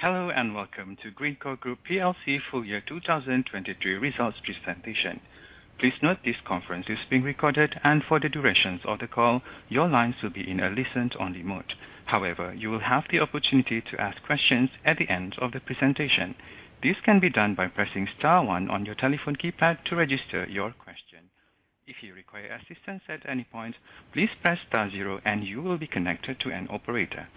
Hello, and welcome to Greencore Group plc full year 2023 Results Presentation. Please note this conference is being recorded, and for the durations of the call, your lines will be in a listen-only mode. However, you will have the opportunity to ask questions at the end of the presentation. This can be done by pressing star one on your telephone keypad to register your question. If you require assistance at any point, please press star zero, and you will be connected to an operator.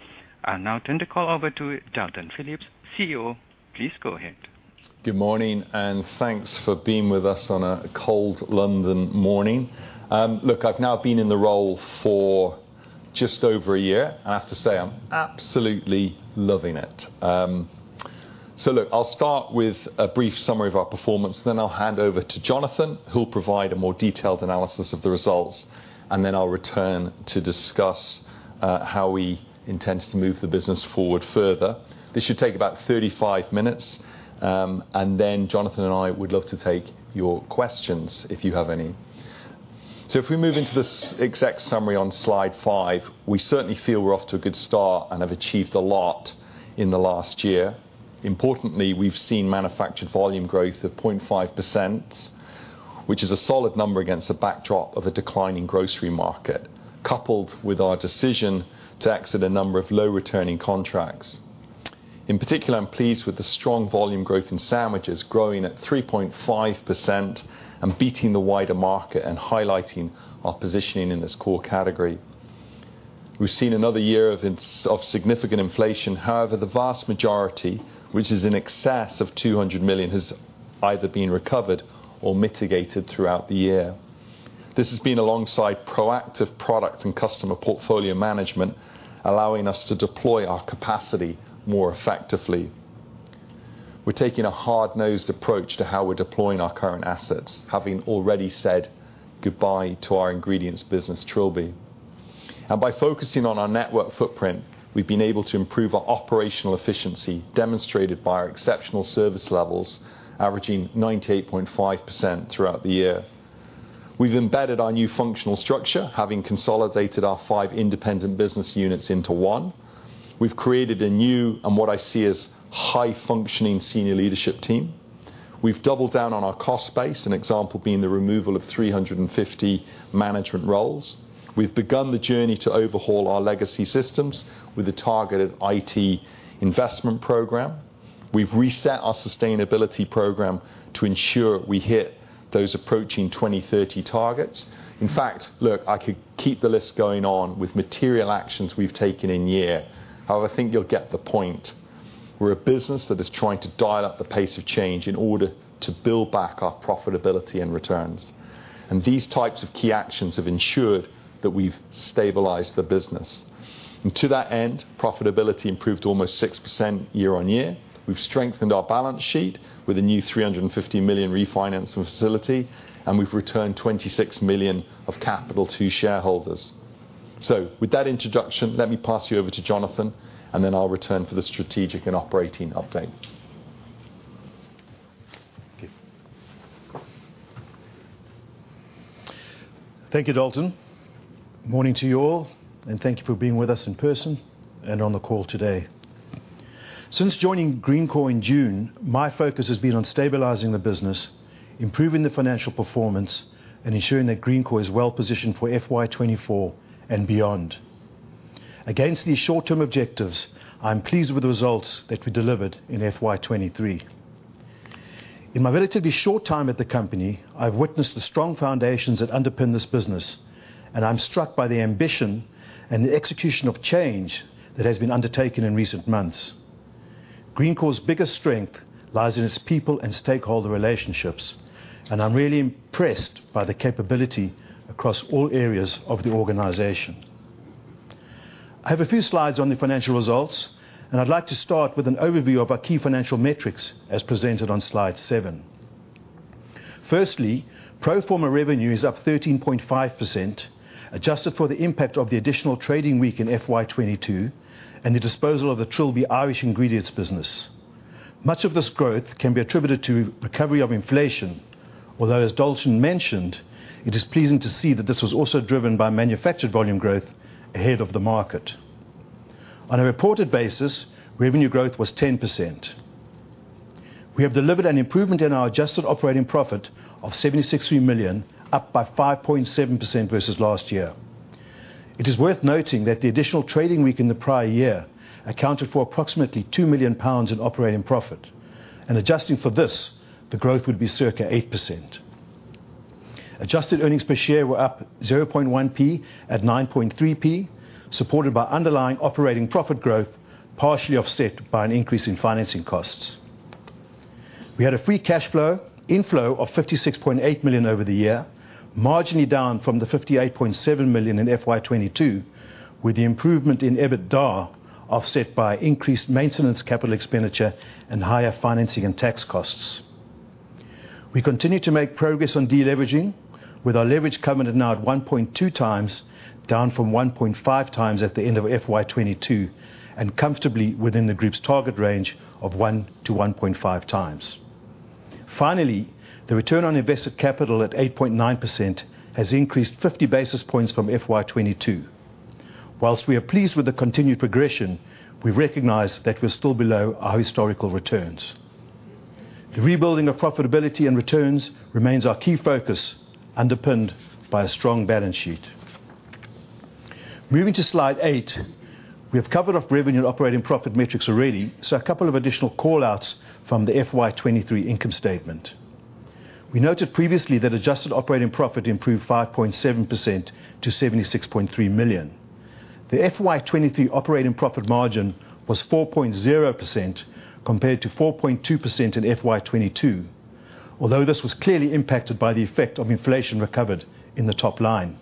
I'll now turn the call over to Dalton Philips, CEO. Please go ahead. Good morning, and thanks for being with us on a cold London morning. Look, I've now been in the role for just over a year. I have to say, I'm absolutely loving it. Look, I'll start with a brief summary of our performance, then I'll hand over to Jonathan, who'll provide a more detailed analysis of the results, and then I'll return to discuss how we intend to move the business forward further. This should take about 35 minutes, and then Jonathan and I would love to take your questions, if you have any. If we move into this exec summary on slide 5, we certainly feel we're off to a good start and have achieved a lot in the last year. Importantly, we've seen manufactured volume growth of 0.5%, which is a solid number against a backdrop of a decline in grocery market, coupled with our decision to exit a number of low-returning contracts. In particular, I'm pleased with the strong volume growth in sandwiches, growing at 3.5% and beating the wider market and highlighting our positioning in this core category. We've seen another year of significant inflation. However, the vast majority, which is in excess of 200 million, has either been recovered or mitigated throughout the year. This has been alongside proactive product and customer portfolio management, allowing us to deploy our capacity more effectively. We're taking a hard-nosed approach to how we're deploying our current assets, having already said goodbye to our ingredients business, Trilby. By focusing on our network footprint, we've been able to improve our operational efficiency, demonstrated by our exceptional service levels, averaging 98.5% throughout the year. We've embedded our new functional structure, having consolidated our five independent business units into one. We've created a new, and what I see as high functioning, senior leadership team. We've doubled down on our cost base, an example being the removal of 350 management roles. We've begun the journey to overhaul our legacy systems with a targeted IT investment program. We've reset our sustainability program to ensure we hit those approaching 2030 targets. In fact, look, I could keep the list going on with material actions we've taken in year. However, I think you'll get the point. We're a business that is trying to dial up the pace of change in order to build back our profitability and returns, and these types of key actions have ensured that we've stabilized the business. And to that end, profitability improved almost 6% year-on-year. We've strengthened our balance sheet with a new 350 million refinancing facility, and we've returned 26 million of capital to shareholders. So with that introduction, let me pass you over to Jonathan, and then I'll return for the strategic and operating update. Thank you. Thank you, Dalton. Morning to you all, and thank you for being with us in person and on the call today. Since joining Greencore in June, my focus has been on stabilizing the business, improving the financial performance, and ensuring that Greencore is well positioned for FY 2024 and beyond. Against these short-term objectives, I'm pleased with the results that we delivered in FY 2023. In my relatively short time at the company, I've witnessed the strong foundations that underpin this business, and I'm struck by the ambition and the execution of change that has been undertaken in recent months. Greencore's biggest strength lies in its people and stakeholder relationships, and I'm really impressed by the capability across all areas of the organization. I have a few slides on the financial results, and I'd like to start with an overview of our key financial metrics, as presented on slide seven. Firstly, pro forma revenue is up 13.5%, adjusted for the impact of the additional trading week in FY 2022 and the disposal of the Trilby Irish ingredients business. Much of this growth can be attributed to recovery of inflation, although, as Dalton mentioned, it is pleasing to see that this was also driven by manufactured volume growth ahead of the market. On a reported basis, revenue growth was 10%. We have delivered an improvement in our adjusted operating profit of 76 million, up by 5.7% versus last year. It is worth noting that the additional trading week in the prior year accounted for approximately 2 million pounds in operating profit, and adjusting for this, the growth would be circa 8%. Adjusted earnings per share were up 0.1p at 9.3p, supported by underlying operating profit growth, partially offset by an increase in financing costs. We had a free cash flow inflow of 56.8 million over the year, marginally down from the 58.7 million in FY 2022, with the improvement in EBITDA offset by increased maintenance capital expenditure and higher financing and tax costs. We continue to make progress on deleveraging, with our leverage coming in now at 1.2x, down from 1.5x at the end of FY 2022, and comfortably within the group's target range of 1-1.5x. Finally, the return on invested capital at 8.9% has increased 50 basis points from FY 2022. Whilst we are pleased with the continued progression, we recognize that we're still below our historical returns. The rebuilding of profitability and returns remains our key focus, underpinned by a strong balance sheet. Moving to slide eight, we have covered off revenue operating profit metrics already, so a couple of additional call-outs from the FY 2023 income statement. We noted previously that adjusted operating profit improved 5.7% to 76.3 million. The FY 2023 operating profit margin was 4.0% compared to 4.2% in FY 2022, although this was clearly impacted by the effect of inflation recovered in the top line.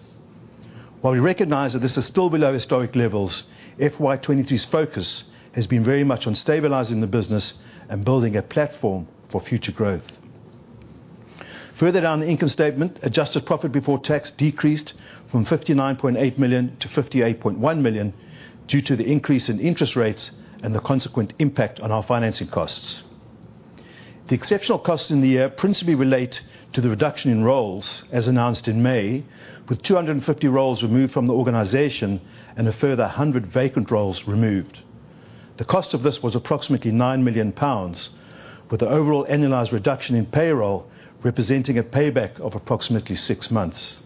While we recognize that this is still below historic levels, FY 2023's focus has been very much on stabilizing the business and building a platform for future growth. Further down the income statement, adjusted profit before tax decreased from 59.8 million to 58.1 million due to the increase in interest rates and the consequent impact on our financing costs. The exceptional costs in the year principally relate to the reduction in roles, as announced in May, with 250 roles removed from the organization and a further 100 vacant roles removed. The cost of this was approximately 9 million pounds, with the overall annualized reduction in payroll representing a payback of approximately six months.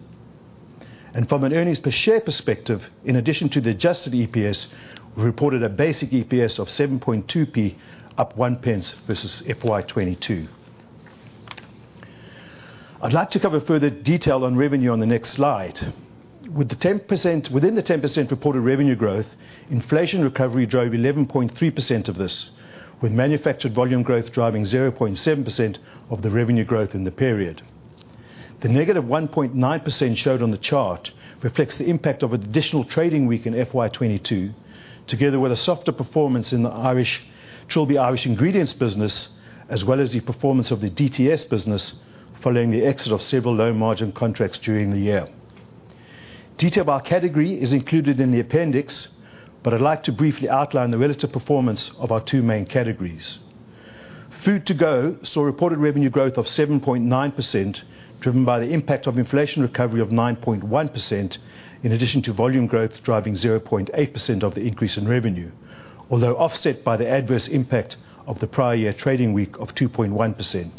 From an earnings per share perspective, in addition to the adjusted EPS, we reported a basic EPS of 7.2p, up one pence versus FY 2022. I'd like to cover further detail on revenue on the next slide. With the 10% within the 10% reported revenue growth, inflation recovery drove 11.3% of this, with manufactured volume growth driving 0.7% of the revenue growth in the period. The negative 1.9% showed on the chart reflects the impact of an additional trading week in FY 2022, together with a softer performance in the Irish, Trilby Irish ingredients business, as well as the performance of the DTS business, following the exit of several low-margin contracts during the year. Detail by category is included in the appendix, but I'd like to briefly outline the relative performance of our two main categories. Food to Go saw reported revenue growth of 7.9%, driven by the impact of inflation recovery of 9.1%, in addition to volume growth, driving 0.8% of the increase in revenue, although offset by the adverse impact of the prior year trading week of 2.1%.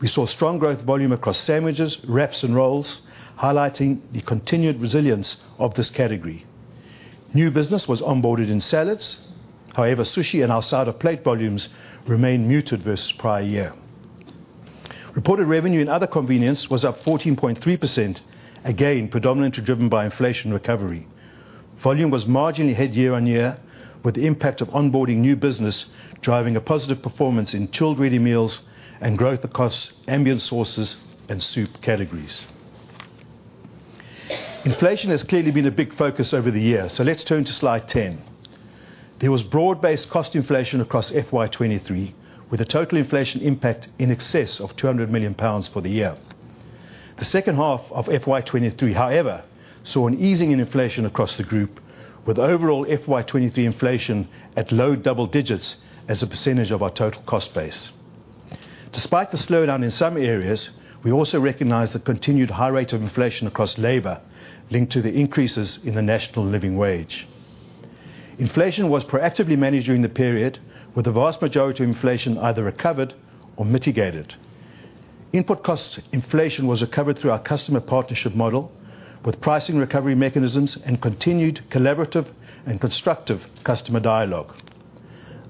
We saw strong growth volume across sandwiches, wraps, and rolls, highlighting the continued resilience of this category. New business was onboarded in salads. However, sushi and our side of plate volumes remained muted versus prior year. Reported revenue and other convenience was up 14.3%, again, predominantly driven by inflation recovery. Volume was marginally ahead year-on-year, with the impact of onboarding new business, driving a positive performance in chilled ready meals and growth across ambient sauces and soup categories. Inflation has clearly been a big focus over the years, so let's turn to slide 10. There was broad-based cost inflation across FY 2023, with a total inflation impact in excess of 200 million pounds for the year. The second half of FY 2023, however, saw an easing in inflation across the group, with overall FY 2023 inflation at low double digits as a percentage of our total cost base. Despite the slowdown in some areas, we also recognize the continued high rate of inflation across labor, linked to the increases in the National Living Wage. Inflation was proactively managed during the period, with the vast majority of inflation either recovered or mitigated. Input costs inflation was recovered through our customer partnership model, with pricing recovery mechanisms and continued collaborative and constructive customer dialogue.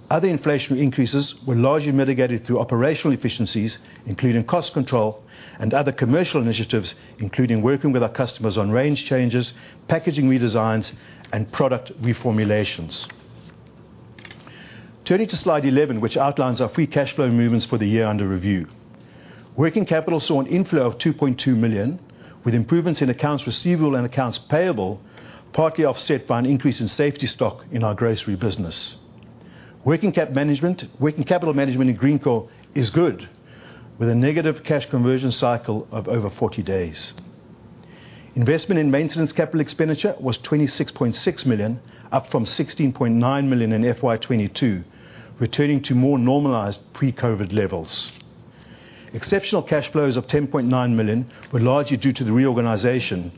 Other inflationary increases were largely mitigated through operational efficiencies, including cost control and other commercial initiatives, including working with our customers on range changes, packaging redesigns, and product reformulations. Turning to slide 11, which outlines our free cash flow movements for the year under review. Working capital saw an inflow of 2.2 million, with improvements in accounts receivable and accounts payable, partly offset by an increase in safety stock in our grocery business. Working cap management, working capital management in Greencore is good, with a negative cash conversion cycle of over 40 days. Investment in maintenance capital expenditure was 26.6 million, up from 16.9 million in FY 2022, returning to more normalized pre-COVID levels. Exceptional cash flows of 10.9 million were largely due to the reorganization,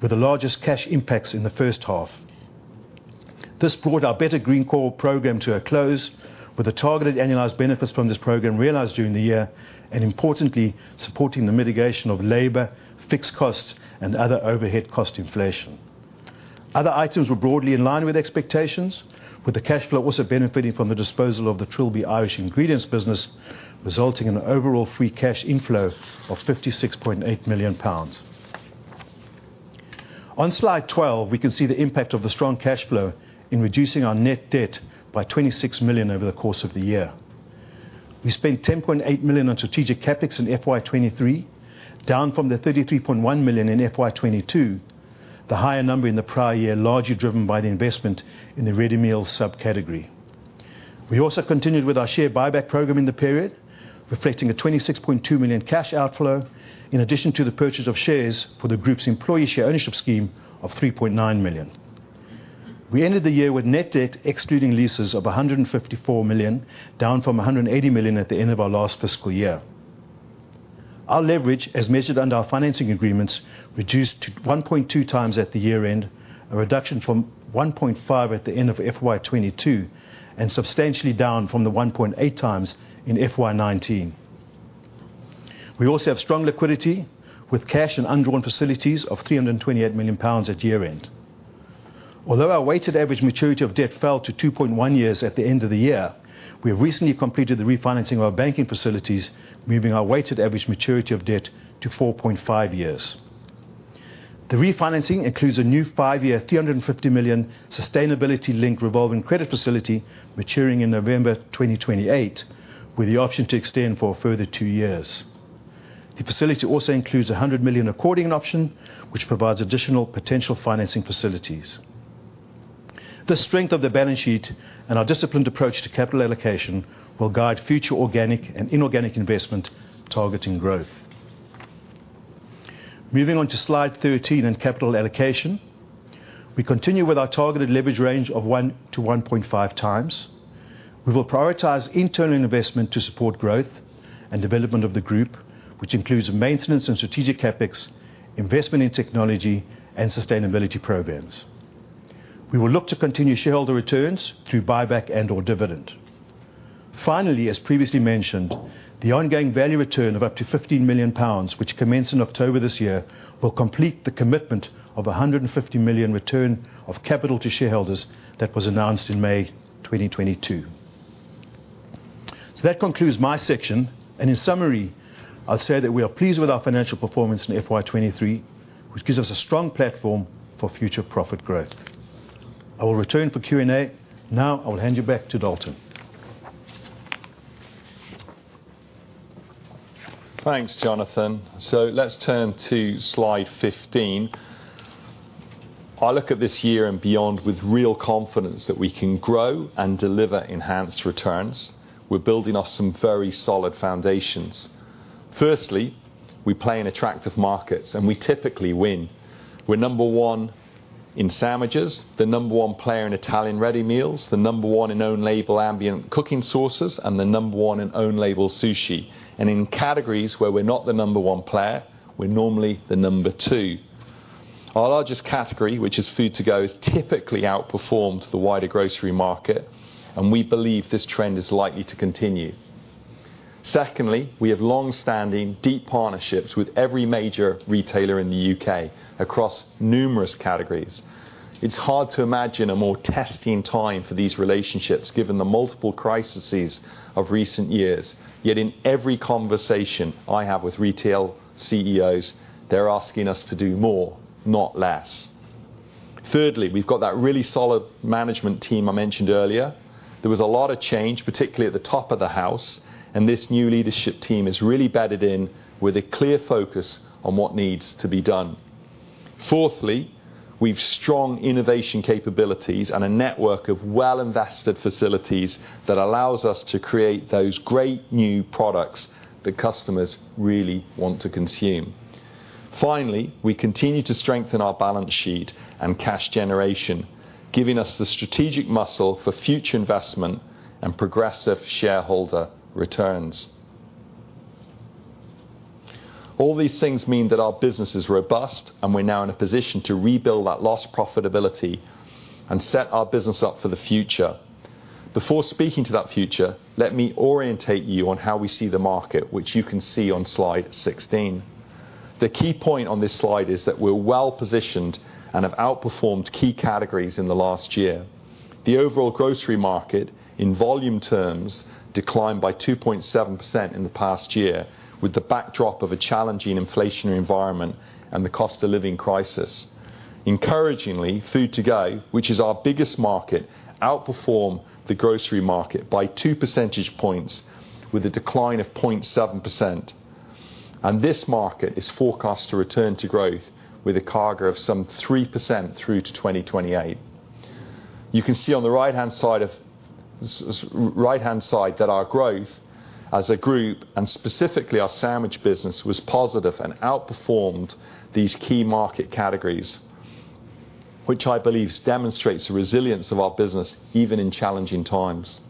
with the largest cash impacts in the first half. This brought our Better Greencore program to a close, with the targeted annualized benefits from this program realized during the year, and importantly, supporting the mitigation of labor, fixed costs, and other overhead cost inflation. Other items were broadly in line with expectations, with the cash flow also benefiting from the disposal of the Trilby Irish ingredients business, resulting in an overall free cash inflow of 56.8 million pounds. On slide 12, we can see the impact of the strong cash flow in reducing our net debt by 26 million over the course of the year. We spent 10.8 million on strategic CapEx in FY 2023, down from the 33.1 million in FY 2022, the higher number in the prior year, largely driven by the investment in the ready meal subcategory. We also continued with our share buyback program in the period, reflecting a 26.2 million cash outflow, in addition to the purchase of shares for the group's employee share ownership scheme of 3.9 million. We ended the year with net debt, excluding leases, of 154 million, down from 180 million at the end of our last fiscal year. Our leverage, as measured under our financing agreements, reduced to 1.2x at the year-end, a reduction from 1.5 at the end of FY 2022, and substantially down from the 1.8x in FY 2019. We also have strong liquidity, with cash and undrawn facilities of 328 million pounds at year-end. Although our weighted average maturity of debt fell to 2.1 years at the end of the year, we have recently completed the refinancing of our banking facilities, moving our weighted average maturity of debt to 4.5 years. The refinancing includes a new five-year 350 million sustainability-linked revolving credit facility, maturing in November 2028, with the option to extend for a further two years. The facility also includes a 100 million accordion option, which provides additional potential financing facilities. The strength of the balance sheet and our disciplined approach to capital allocation will guide future organic and inorganic investment, targeting growth. Moving on to slide 13 and capital allocation. We continue with our targeted leverage range of 1-1.5x. We will prioritize internal investment to support growth and development of the group, which includes maintenance and strategic CapEx, investment in technology, and sustainability programs. We will look to continue shareholder returns through buyback and/or dividend. Finally, as previously mentioned, the ongoing value return of up to 15 million pounds, which commenced in October this year, will complete the commitment of 150 million return of capital to shareholders that was announced in May 2022. So that concludes my section, and in summary, I'll say that we are pleased with our financial performance in FY 2023, which gives us a strong platform for future profit growth. I will return for Q&A. Now, I will hand you back to Dalton. Thanks, Jonathan. So let's turn to slide 15. I look at this year and beyond with real confidence that we can grow and deliver enhanced returns. We're building off some very solid foundations. Firstly, we play in attractive markets, and we typically win. We're number one in sandwiches, the number one player in Italian ready meals, the number one in own-label ambient cooking sauces, and the number one in own-label sushi. And in categories where we're not the number one player, we're normally the number two. Our largest category, which is Food to Go, has typically outperformed the wider grocery market, and we believe this trend is likely to continue. Secondly, we have longstanding, deep partnerships with every major retailer in the U.K. across numerous categories. It's hard to imagine a more testing time for these relationships, given the multiple crises of recent years. Yet in every conversation I have with retail CEOs, they're asking us to do more, not less. Thirdly, we've got that really solid management team I mentioned earlier. There was a lot of change, particularly at the top of the house, and this new leadership team is really bedded in with a clear focus on what needs to be done. Fourthly, we've strong innovation capabilities and a network of well-invested facilities that allows us to create those great new products that customers really want to consume. Finally, we continue to strengthen our balance sheet and cash generation, giving us the strategic muscle for future investment and progressive shareholder returns. All these things mean that our business is robust, and we're now in a position to rebuild that lost profitability and set our business up for the future. Before speaking to that future, let me orientate you on how we see the market, which you can see on slide 16. The key point on this slide is that we're well-positioned and have outperformed key categories in the last year. The overall grocery market, in volume terms, declined by 2.7% in the past year, with the backdrop of a challenging inflationary environment and the cost-of-living crisis. Encouragingly, Food to Go, which is our biggest market, outperformed the grocery market by two percentage points, with a decline of 0.7%, and this market is forecast to return to growth with a CAGR of some 3% through to 2028. You can see on the right-hand side that our growth as a group, and specifically our sandwich business, was positive and outperformed these key market categories, which I believe demonstrates the resilience of our business, even in challenging times.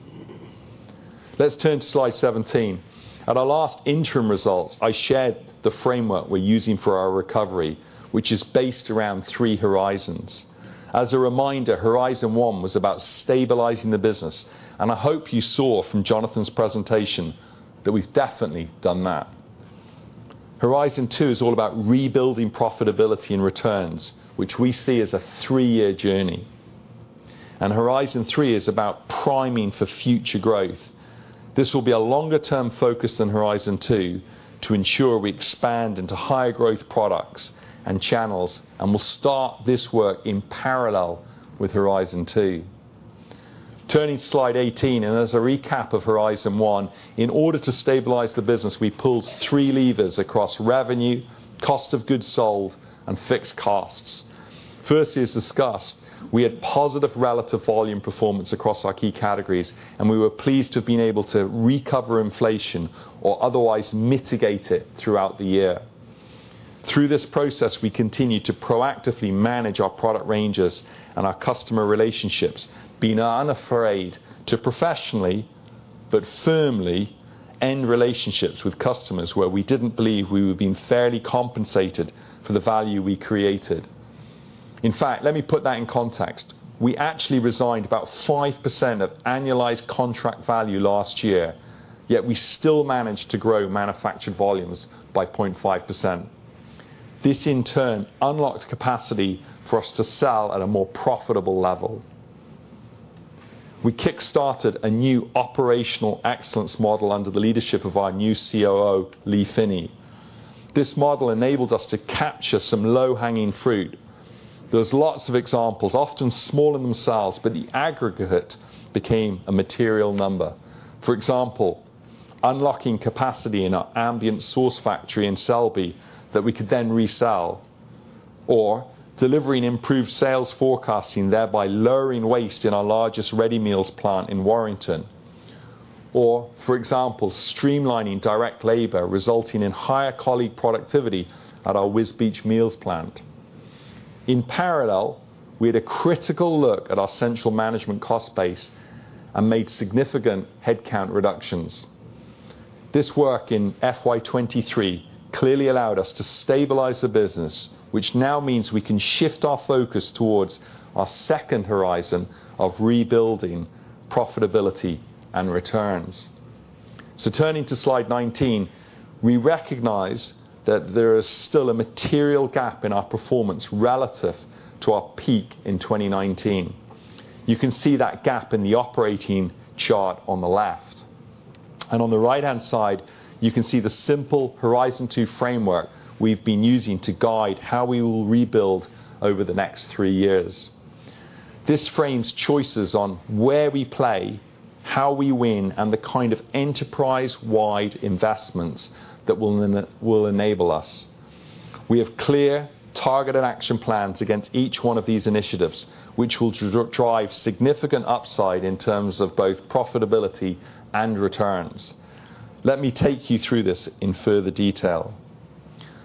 Let's turn to slide 17. At our last interim results, I shared the framework we're using for our recovery, which is based around three horizons. As a reminder, Horizon 1 was about stabilizing the business, and I hope you saw from Jonathan's presentation that we've definitely done that. Horizon 2 is all about rebuilding profitability and returns, which we see as a three-year journey. And Horizon 3 is about priming for future growth. This will be a longer-term focus than Horizon 2 to ensure we expand into higher growth products and channels, and we'll start this work in parallel with Horizon 2. Turning to slide 18, and as a recap of Horizon 1, in order to stabilize the business, we pulled three levers across revenue, cost of goods sold, and fixed costs. First, as discussed, we had positive relative volume performance across our key categories, and we were pleased to have been able to recover inflation or otherwise mitigate it throughout the year.... Through this process, we continue to proactively manage our product ranges and our customer relationships, being unafraid to professionally but firmly end relationships with customers where we didn't believe we were being fairly compensated for the value we created. In fact, let me put that in context. We actually resigned about 5% of annualized contract value last year, yet we still managed to grow manufactured volumes by 0.5%. This, in turn, unlocked capacity for us to sell at a more profitable level. We kick-started a new operational excellence model under the leadership of our new COO, Lee Finney. This model enabled us to capture some low-hanging fruit. There's lots of examples, often small in themselves, but the aggregate became a material number. For example, unlocking capacity in our ambient sauce factory in Selby that we could then resell, or delivering improved sales forecasting, thereby lowering waste in our largest ready meals plant in Warrington. Or, for example, streamlining direct labor, resulting in higher colleague productivity at our Wisbech meals plant. In parallel, we had a critical look at our central management cost base and made significant headcount reductions. This work in FY 2023 clearly allowed us to stabilize the business, which now means we can shift our focus towards our second horizon of rebuilding profitability and returns. So turning to slide 19, we recognize that there is still a material gap in our performance relative to our peak in 2019. You can see that gap in the operating chart on the left. And on the right-hand side, you can see the simple Horizon 2 framework we've been using to guide how we will rebuild over the next three years. This frames choices on where we play, how we win, and the kind of enterprise-wide investments that will enable us. We have clear, targeted action plans against each one of these initiatives, which will drive significant upside in terms of both profitability and returns. Let me take you through this in further detail.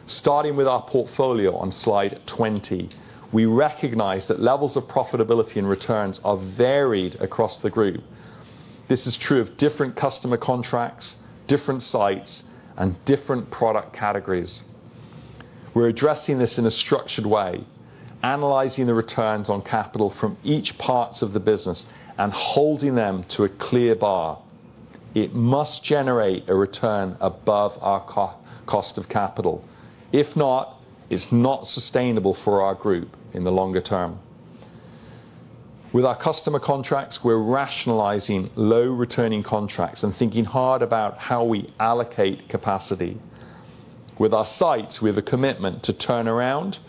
Starting with our portfolio on slide 20, we recognize that levels of profitability and returns are varied across the group. This is true of different customer contracts, different sites, and different product categories. We're addressing this in a structured way, analyzing the returns on capital from each part of the business and holding them to a clear bar. It must generate a return above our cost of capital. If not, it's not sustainable for our group in the longer term. With our customer contracts, we're rationalizing low-returning contracts and thinking hard about how we allocate capacity. With our sites, we have a commitment to turn around,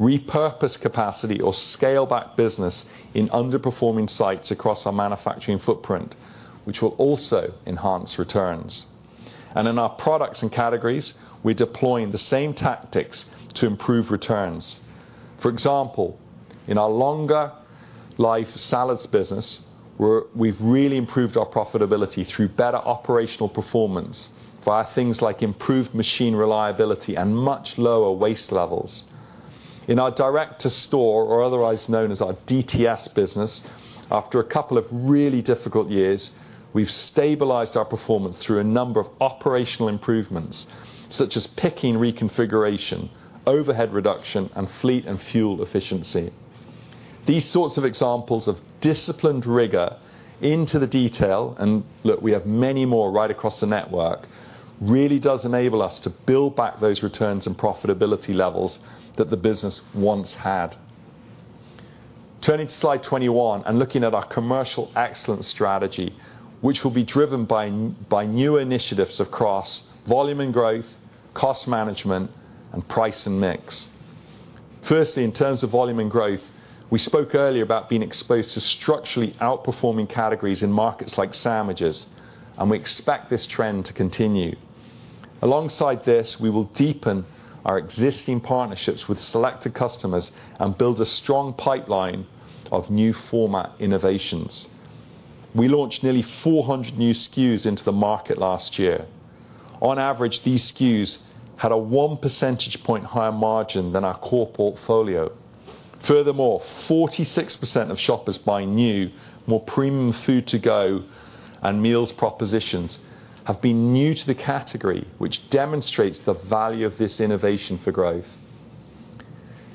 repurpose capacity, or scale back business in underperforming sites across our manufacturing footprint, which will also enhance returns. And in our products and categories, we're deploying the same tactics to improve returns. For example, in our longer life salads business, we've really improved our profitability through better operational performance, via things like improved machine reliability and much lower waste levels. In our direct-to-store, or otherwise known as our DTS business, after a couple of really difficult years, we've stabilized our performance through a number of operational improvements, such as picking reconfiguration, overhead reduction, and fleet and fuel efficiency. These sorts of examples of disciplined rigor into the detail, and look, we have many more right across the network, really does enable us to build back those returns and profitability levels that the business once had. Turning to slide 21 and looking at our commercial excellence strategy, which will be driven by by new initiatives across volume and growth, cost management, and price and mix. Firstly, in terms of volume and growth, we spoke earlier about being exposed to structurally outperforming categories in markets like sandwiches, and we expect this trend to continue. Alongside this, we will deepen our existing partnerships with selected customers and build a strong pipeline of new format innovations. We launched nearly 400 new SKUs into the market last year. On average, these SKUs had a one percentage point higher margin than our core portfolio. Furthermore, 46% of shoppers buying new, more premium Food to Go and meals propositions have been new to the category, which demonstrates the value of this innovation for growth.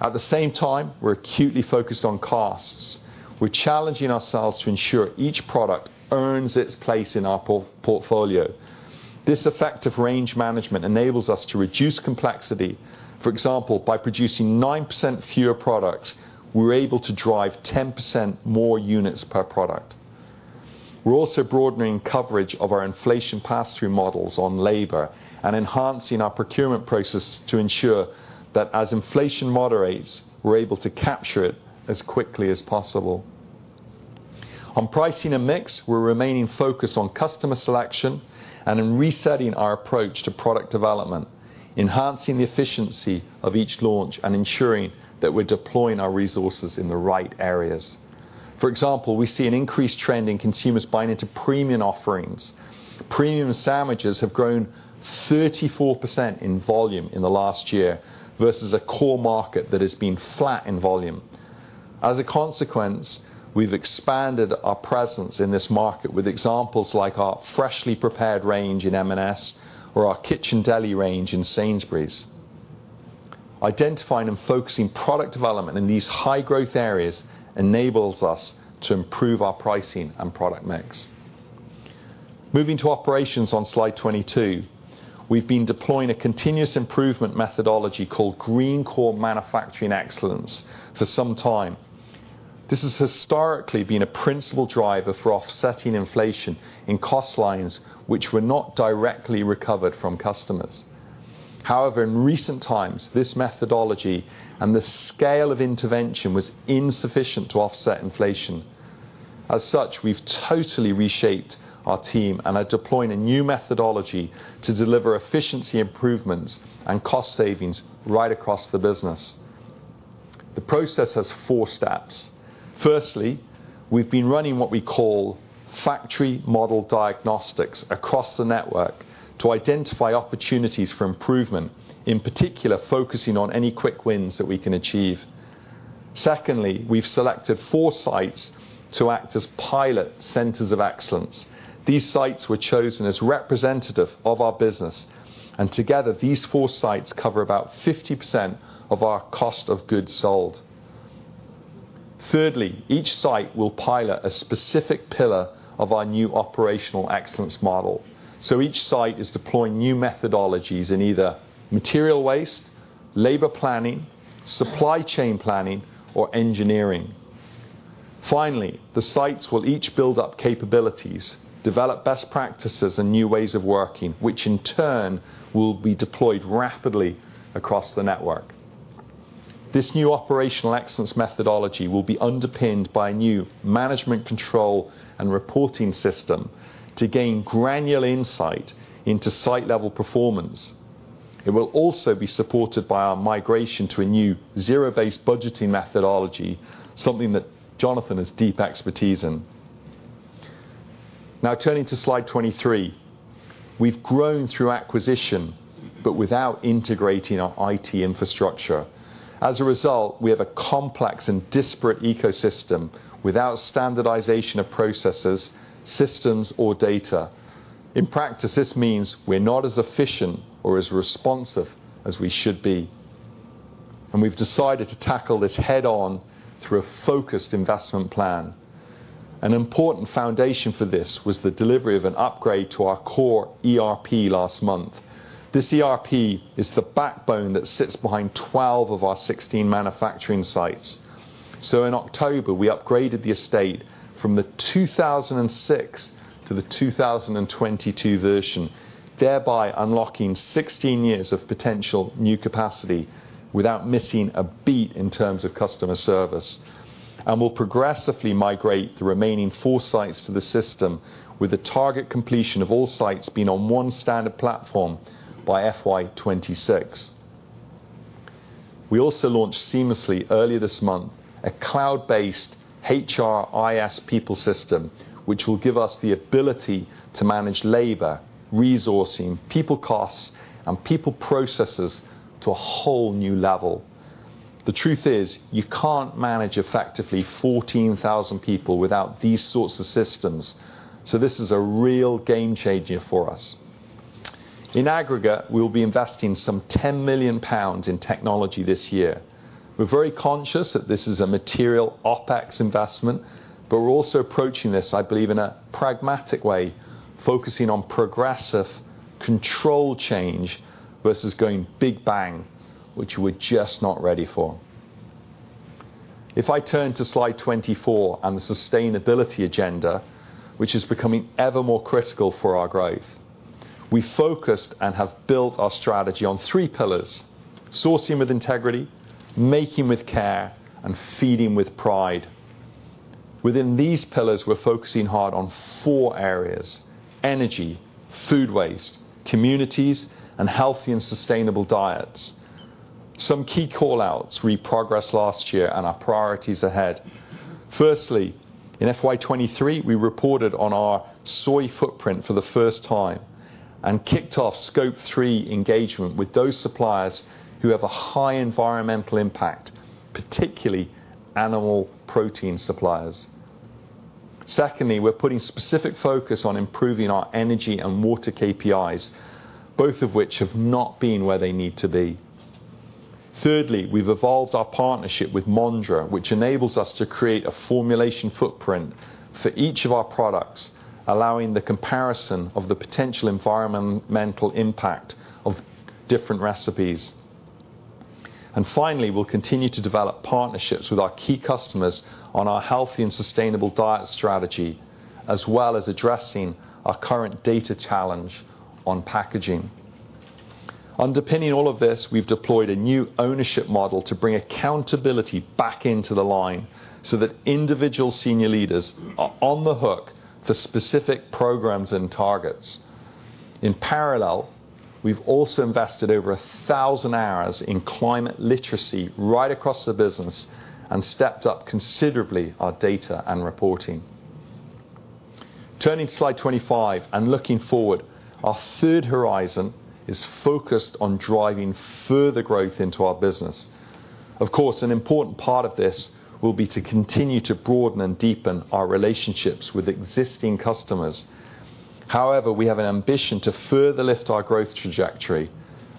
At the same time, we're acutely focused on costs. We're challenging ourselves to ensure each product earns its place in our portfolio. This effective range management enables us to reduce complexity. For example, by producing 9% fewer products, we're able to drive 10% more units per product. We're also broadening coverage of our inflation pass-through models on labor and enhancing our procurement process to ensure that as inflation moderates, we're able to capture it as quickly as possible. On pricing and mix, we're remaining focused on customer selection and in resetting our approach to product development, enhancing the efficiency of each launch and ensuring that we're deploying our resources in the right areas. For example, we see an increased trend in consumers buying into premium offerings. Premium sandwiches have grown 34% in volume in the last year, versus a core market that has been flat in volume. As a consequence, we've expanded our presence in this market with examples like our Freshly Prepared range in M&S, or our Kitchen Deli range in Sainsbury's. Identifying and focusing product development in these high-growth areas enables us to improve our pricing and product mix. Moving to operations on slide 22, we've been deploying a continuous improvement methodology called Greencore Manufacturing Excellence for some time. This has historically been a principal driver for offsetting inflation in cost lines, which were not directly recovered from customers. However, in recent times, this methodology and the scale of intervention was insufficient to offset inflation. As such, we've totally reshaped our team and are deploying a new methodology to deliver efficiency improvements and cost savings right across the business. The process has four steps. Firstly, we've been running what we call factory model diagnostics across the network to identify opportunities for improvement, in particular, focusing on any quick wins that we can achieve. Secondly, we've selected four sites to act as pilot centers of excellence. These sites were chosen as representative of our business, and together, these four sites cover about 50% of our cost of goods sold. Thirdly, each site will pilot a specific pillar of our new operational excellence model, so each site is deploying new methodologies in either material waste, labor planning, supply chain planning, or engineering. Finally, the sites will each build up capabilities, develop best practices and new ways of working, which in turn, will be deployed rapidly across the network. This new operational excellence methodology will be underpinned by a new management control and reporting system to gain granular insight into site-level performance. It will also be supported by our migration to a new zero-based budgeting methodology, something that Jonathan has deep expertise in. Now, turning to slide 23. We've grown through acquisition, but without integrating our IT infrastructure. As a result, we have a complex and disparate ecosystem without standardization of processes, systems, or data. In practice, this means we're not as efficient or as responsive as we should be, and we've decided to tackle this head-on through a focused investment plan. An important foundation for this was the delivery of an upgrade to our core ERP last month. This ERP is the backbone that sits behind 12 of our 16 manufacturing sites. So in October, we upgraded the estate from the 2006 to the 2022 version, thereby unlocking 16 years of potential new capacity without missing a beat in terms of customer service. And we'll progressively migrate the remaining four sites to the system, with a target completion of all sites being on one standard platform by FY 2026. We also launched seamlessly, earlier this month, a cloud-based HRIS people system, which will give us the ability to manage labor, resourcing, people costs, and people processes to a whole new level. The truth is, you can't manage effectively 14,000 people without these sorts of systems, so this is a real game changer for us. In aggregate, we'll be investing some 10 million pounds in technology this year. We're very conscious that this is a material OpEx investment, but we're also approaching this, I believe, in a pragmatic way, focusing on progressive control change versus going big bang, which we're just not ready for. If I turn to slide 24 and the sustainability agenda, which is becoming ever more critical for our growth. We focused and have built our strategy on three pillars: sourcing with integrity, making with care, and feeding with pride. Within these pillars, we're focusing hard on four areas: energy, food waste, communities, and healthy and sustainable diets. Some key call-outs: we progressed last year and our priorities ahead. Firstly, in FY 2023, we reported on our soy footprint for the first time and kicked off Scope 3 engagement with those suppliers who have a high environmental impact, particularly animal protein suppliers. Secondly, we're putting specific focus on improving our energy and water KPIs, both of which have not been where they need to be. Thirdly, we've evolved our partnership with Mondra, which enables us to create a formulation footprint for each of our products, allowing the comparison of the potential environmental impact of different recipes. And finally, we'll continue to develop partnerships with our key customers on our healthy and sustainable diet strategy, as well as addressing our current data challenge on packaging. Underpinning all of this, we've deployed a new ownership model to bring accountability back into the line, so that individual senior leaders are on the hook for specific programs and targets. In parallel, we've also invested over 1,000 hours in climate literacy right across the business, and stepped up considerably our data and reporting. Turning to slide 25, and looking forward, our third horizon is focused on driving further growth into our business. Of course, an important part of this will be to continue to broaden and deepen our relationships with existing customers. However, we have an ambition to further lift our growth trajectory.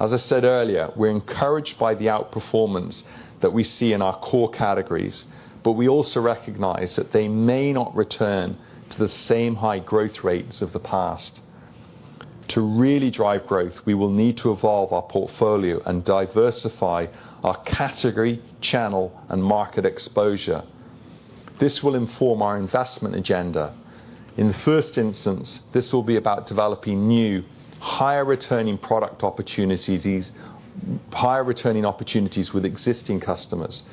As I said earlier, we're encouraged by the outperformance that we see in our core categories, but we also recognize that they may not return to the same high growth rates of the past. To really drive growth, we will need to evolve our portfolio and diversify our category, channel, and market exposure. This will inform our investment agenda. In the first instance, this will be about developing new, higher-returning product opportunities, these higher-returning opportunities with existing customers.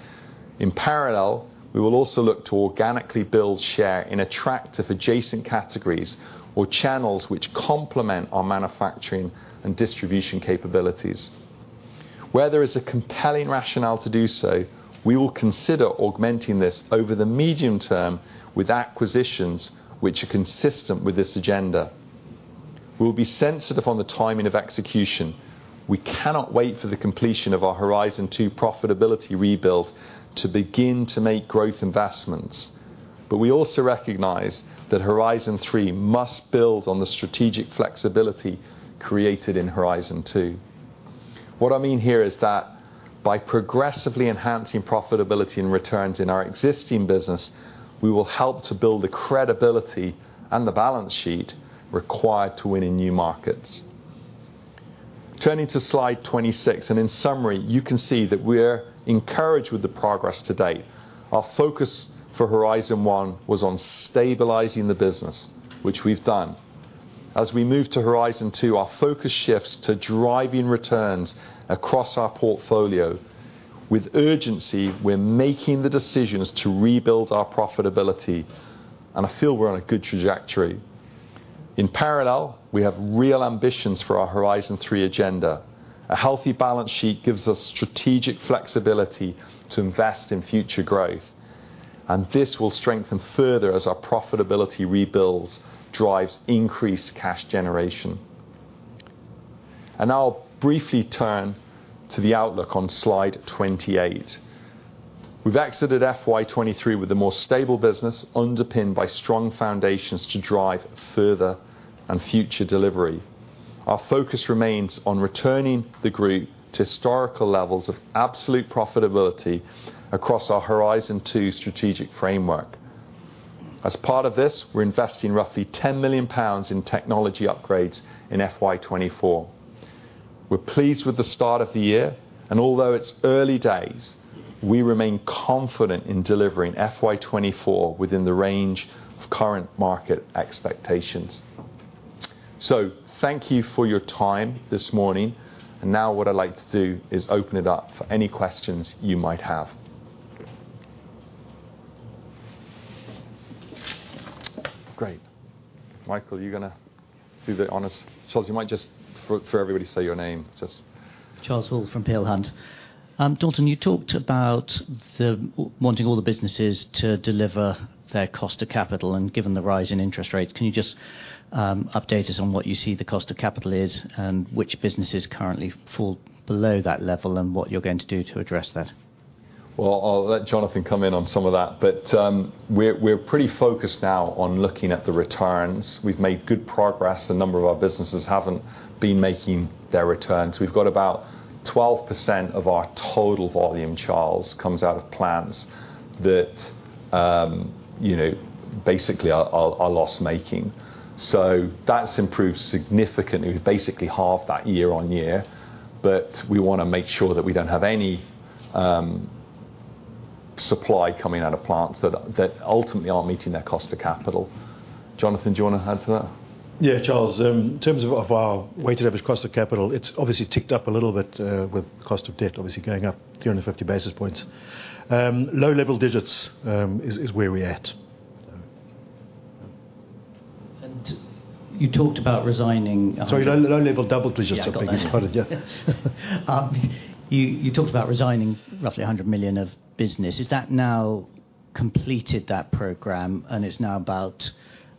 In parallel, we will also look to organically build share in attractive adjacent categories or channels which complement our manufacturing and distribution capabilities. Where there is a compelling rationale to do so, we will consider augmenting this over the medium term with acquisitions which are consistent with this agenda. We'll be sensitive on the timing of execution. We cannot wait for the completion of our Horizon 2 profitability rebuild to begin to make growth investments, but we also recognize that Horizon 3 must build on the strategic flexibility created in Horizon 2. What I mean here is that by progressively enhancing profitability and returns in our existing business, we will help to build the credibility and the balance sheet required to win in new markets. Turning to slide 26, and in summary, you can see that we're encouraged with the progress to date. Our focus for Horizon 1 was on stabilizing the business, which we've done. As we move to Horizon 2, our focus shifts to driving returns across our portfolio. With urgency, we're making the decisions to rebuild our profitability, and I feel we're on a good trajectory. In parallel, we have real ambitions for our Horizon 3 agenda. A healthy balance sheet gives us strategic flexibility to invest in future growth, and this will strengthen further as our profitability rebuilds, drives increased cash generation. And now I'll briefly turn to the outlook on slide 28. We've exited FY 2023 with a more stable business, underpinned by strong foundations to drive further and future delivery. Our focus remains on returning the group to historical levels of absolute profitability across our Horizon 2 strategic framework. As part of this, we're investing roughly 10 million pounds in technology upgrades in FY 2024. We're pleased with the start of the year, and although it's early days, we remain confident in delivering FY 2024 within the range of current market expectations. So thank you for your time this morning, and now what I'd like to do is open it up for any questions you might have. Great. Michael, are you going to do the honors? Charles, you might just, for everybody, say your name, just- Charles Hall from Peel Hunt. Dalton, you talked about wanting all the businesses to deliver their cost of capital, and given the rise in interest rates, can you just update us on what you see the cost of capital is, and which businesses currently fall below that level, and what you're going to do to address that? Well, I'll let Jonathan come in on some of that, but we're pretty focused now on looking at the returns. We've made good progress. A number of our businesses haven't been making their returns. We've got about 12% of our total volume, Charles, comes out of plants that, you know, basically are loss-making. So that's improved significantly, basically half that year-on-year, but we want to make sure that we don't have any supply coming out of plants that ultimately aren't meeting their cost of capital. Jonathan, do you want to add to that? Yeah, Charles, in terms of our weighted average cost of capital, it's obviously ticked up a little bit, with the cost of debt obviously going up 350 basis points. Low single digits is where we're at. You talked about resigning- Sorry, low, low-level double digits, I think is how it is. You talked about resigning roughly 100 million of business. Is that now completed, that program, and it's now about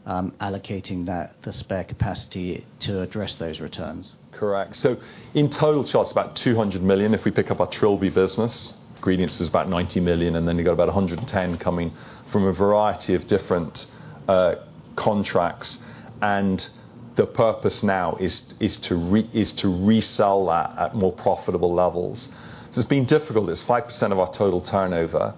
allocating the spare capacity to address those returns? Correct. So in total, Charles, it's about 200 million, if we pick up our Trilby business. Greencore's is about 90 million, and then you've got about 110 million coming from a variety of different contracts, and the purpose now is to resell that at more profitable levels. So it's been difficult. It's 5% of our total turnover.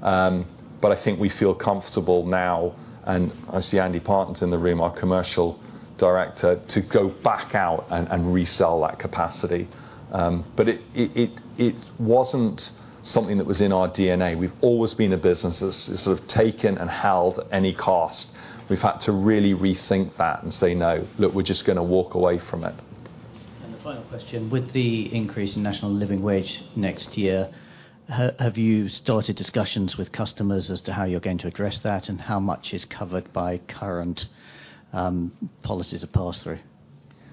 But I think we feel comfortable now, and I see Andy Parton in the room, our Commercial Director, to go back out and resell that capacity. But it wasn't something that was in our DNA. We've always been a business that's sort of taken and held any cost. We've had to really rethink that and say, "No, look, we're just going to walk away from it. The final question, with the increase in National Living Wage next year, have you started discussions with customers as to how you're going to address that, and how much is covered by current policies of pass-through?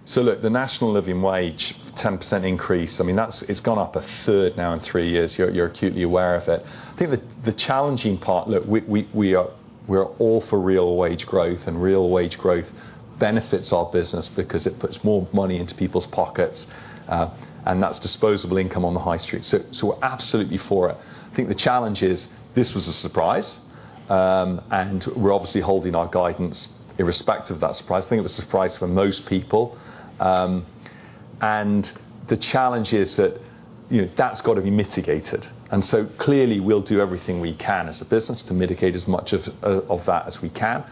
So look, the National Living Wage, 10% increase, I mean, that's. It's gone up a third now in three years. You're acutely aware of it. I think the challenging part, look, we are, we're all for real wage growth, and real wage growth benefits our business because it puts more money into people's pockets, and that's disposable income on the high street. So we're absolutely for it. I think the challenge is, this was a surprise. And we're obviously holding our guidance in respect of that surprise. I think it was a surprise for most people. And the challenge is that, you know, that's got to be mitigated. And so, clearly, we'll do everything we can as a business to mitigate as much of that as we can.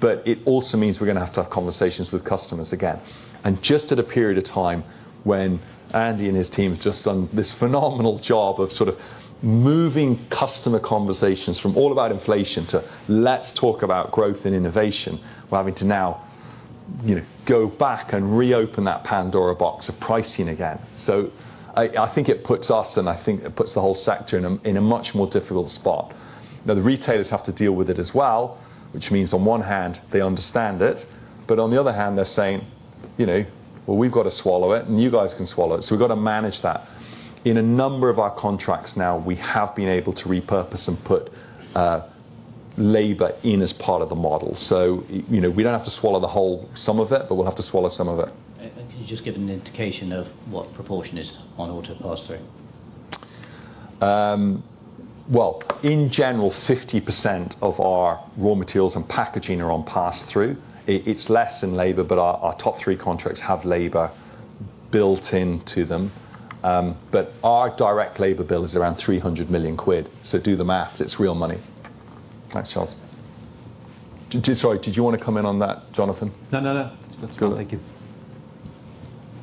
But it also means we're gonna have to have conversations with customers again. And just at a period of time when Andy and his team have just done this phenomenal job of sort of moving customer conversations from all about inflation to, let's talk about growth and innovation, we're having to now, you know, go back and reopen that Pandora's box of pricing again. So I, I think it puts us, and I think it puts the whole sector in a, in a much more difficult spot. Now, the retailers have to deal with it as well, which means on one hand, they understand it, but on the other hand, they're saying, you know, "Well, we've got to swallow it, and you guys can swallow it." So we've got to manage that. In a number of our contracts now, we have been able to repurpose and put labor in as part of the model. So, you know, we don't have to swallow the whole some of it, but we'll have to swallow some of it. Can you just give an indication of what proportion is on auto pass-through? Well, in general, 50% of our raw materials and packaging are on pass-through. It's less in labor, but our top three contracts have labor built into them. But our direct labor bill is around 300 million quid, so do the math. It's real money. Thanks, Charles. Sorry, did you want to come in on that, Jonathan? No, no, no. It's good. Thank you.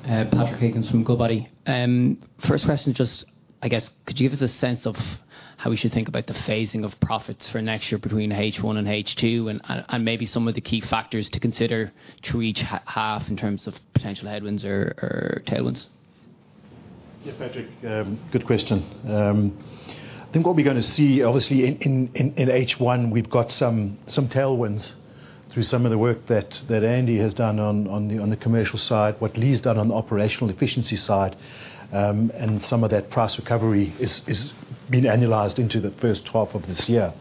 Patrick Higgins from Goodbody. First question, just, I guess, could you give us a sense of how we should think about the phasing of profits for next year between H1 and H2, and maybe some of the key factors to consider to each half, in terms of potential headwinds or tailwinds? Yeah, Patrick, good question. I think what we're gonna see, obviously, in H1, we've got some tailwinds through some of the work that Andy has done on the commercial side, what Lee's done on the operational efficiency side. And some of that price recovery has been annualized into the first half of this year.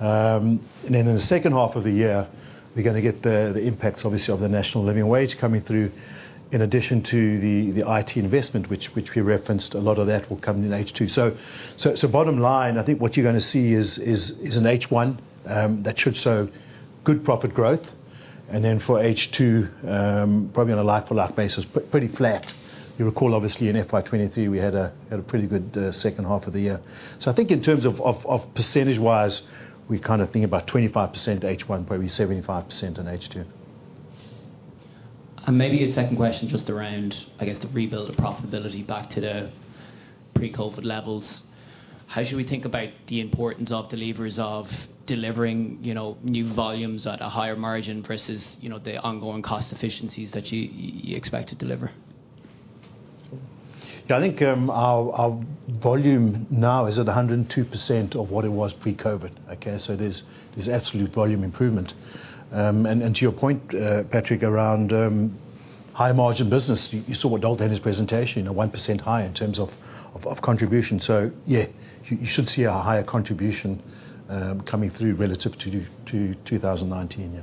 And then in the second half of the year, we're gonna get the impacts, obviously, of the National Living Wage coming through, in addition to the IT investment, which we referenced, a lot of that will come in H2. So bottom line, I think what you're gonna see is an H1 that should show good profit growth. And then for H2, probably on a like-for-like basis, pretty flat. You'll recall, obviously, in FY 2023, we had a pretty good second half of the year. So I think in terms of percentage-wise, we kind of think about 25% H1, probably 75% in H2. Maybe a second question just around, I guess, the rebuild of profitability back to the pre-COVID levels. How should we think about the importance of the levers of delivering, you know, new volumes at a higher margin versus, you know, the ongoing cost efficiencies that you, you expect to deliver? I think, our volume now is at 102% of what it was pre-COVID. Okay, so there's absolute volume improvement. And to your point, Patrick, around high-margin business, you saw what Dalton in his presentation, you know, 1% higher in terms of contribution. So yeah, you should see a higher contribution coming through relative to 2019, yeah.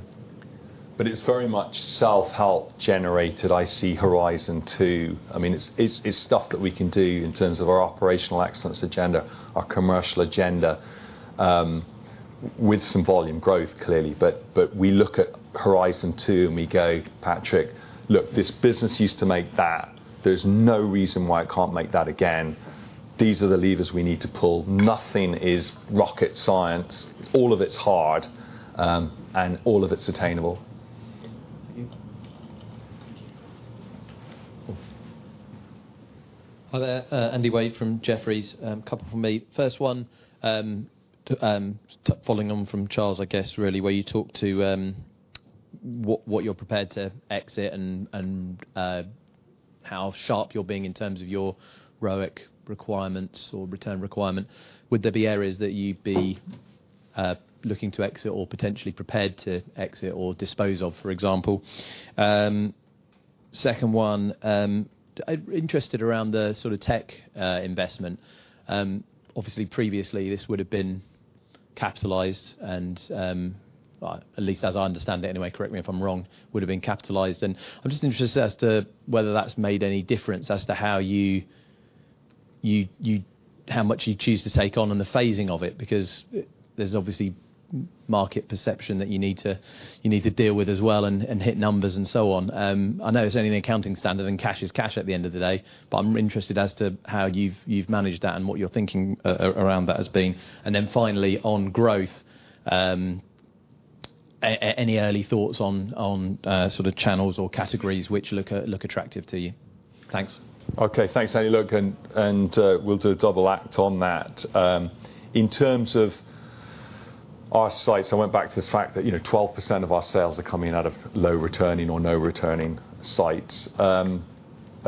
But it's very much self-help generated. I see Horizon 2. I mean, it's stuff that we can do in terms of our operational excellence agenda, our commercial agenda, with some volume growth, clearly. But we look at Horizon 2, and we go, "Patrick, look, this business used to make that. There's no reason why it can't make that again. These are the levers we need to pull." Nothing is rocket science. All of it's hard, and all of it's attainable. Thank you. Hi there, Andy Wade from Jefferies. A couple from me. First one, following on from Charles, I guess, really, where you talked to what you're prepared to exit and how sharp you're being in terms of your ROIC requirements or return requirement. Would there be areas that you'd be looking to exit or potentially prepared to exit or dispose of, for example? Second one, I'm interested around the sort of tech investment. Obviously, previously, this would have been capitalized and at least as I understand it, anyway, correct me if I'm wrong, would have been capitalized. I'm just interested as to whether that's made any difference as to how you how much you choose to take on and the phasing of it, because there's obviously market perception that you need to deal with as well and hit numbers and so on. I know it's only an accounting standard, and cash is cash at the end of the day, but I'm interested as to how you've managed that and what you're thinking around that as being. Then finally, on growth, any early thoughts on sort of channels or categories which look attractive to you? Thanks. Okay. Thanks, Andy. Look, and, and, we'll do a double act on that. In terms of our sites, I went back to this fact that, you know, 12% of our sales are coming out of low-returning or no-returning sites. I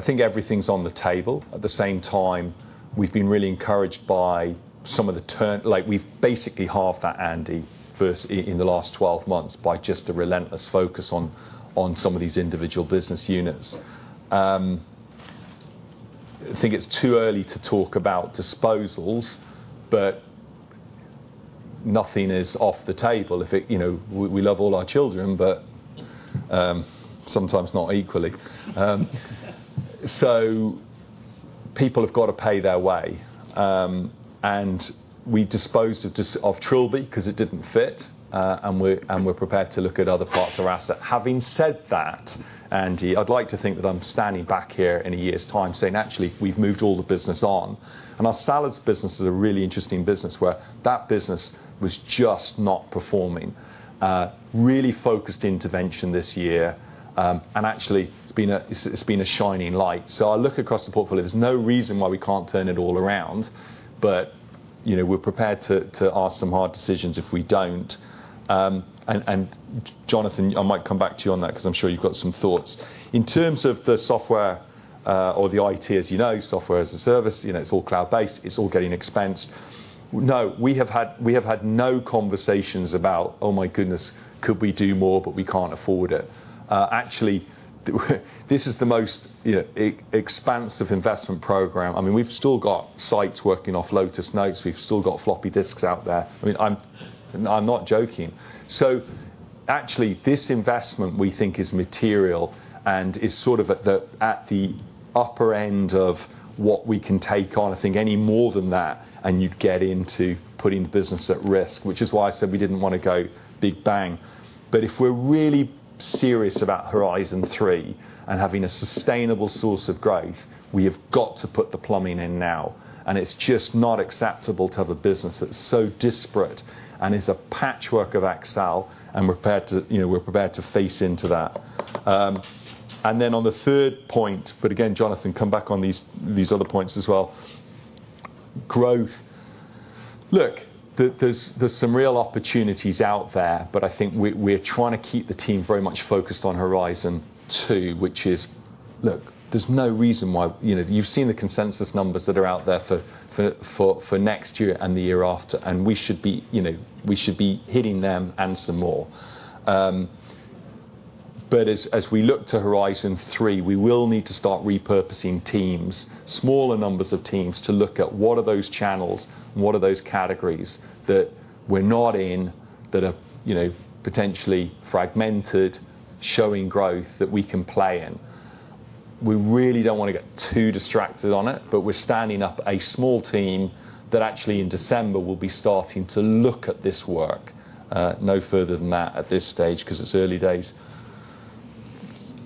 think everything's on the table. At the same time, we've been really encouraged by some of the turn. Like, we've basically halved that, Andy, first, in the last 12 months by just the relentless focus on some of these individual business units. I think it's too early to talk about disposals, but nothing is off the table. If it, you know, we, we love all our children, but, sometimes not equally. So people have got to pay their way. And we disposed of just, of Trilby 'cause it didn't fit, and we're, and we're prepared to look at other parts of our asset. Having said that, Andy, I'd like to think that I'm standing back here in a year's time saying, "Actually, we've moved all the business on." And our salads business is a really interesting business where that business was just not performing. Really focused intervention this year, and actually, it's been a, it's, it's been a shining light. So I look across the portfolio, there's no reason why we can't turn it all around, but, you know, we're prepared to, to ask some hard decisions if we don't. And, and, Jonathan, I might come back to you on that because I'm sure you've got some thoughts. In terms of the software, or the IT, as you know, software as a service, you know, it's all cloud-based, it's all getting expensed. No, we have had no conversations about, Oh, my goodness, could we do more, but we can't afford it? Actually, this is the most, you know, expansive investment program. I mean, we've still got sites working off Lotus Notes. We've still got floppy disks out there. I mean, I'm not joking. So actually, this investment, we think, is material and is sort of at the upper end of what we can take on. I think any more than that, and you'd get into putting the business at risk, which is why I said we didn't want to go big bang. But if we're really serious about Horizon 3 and having a sustainable source of growth, we have got to put the plumbing in now, and it's just not acceptable to have a business that's so disparate and is a patchwork of Excel, and we're prepared to, you know, we're prepared to face into that. And then on the third point, but again, Jonathan, come back on these other points as well. Growth. Look, there's some real opportunities out there, but I think we're trying to keep the team very much focused on Horizon 2, which is... Look, there's no reason why, you know, you've seen the consensus numbers that are out there for next year and the year after, and we should be, you know, we should be hitting them and some more. But as we look to Horizon 3, we will need to start repurposing teams, smaller numbers of teams, to look at what are those channels and what are those categories that we're not in that are, you know, potentially fragmented, showing growth that we can play in. We really don't want to get too distracted on it, but we're standing up a small team that actually in December will be starting to look at this work. No further than that at this stage, because it's early days.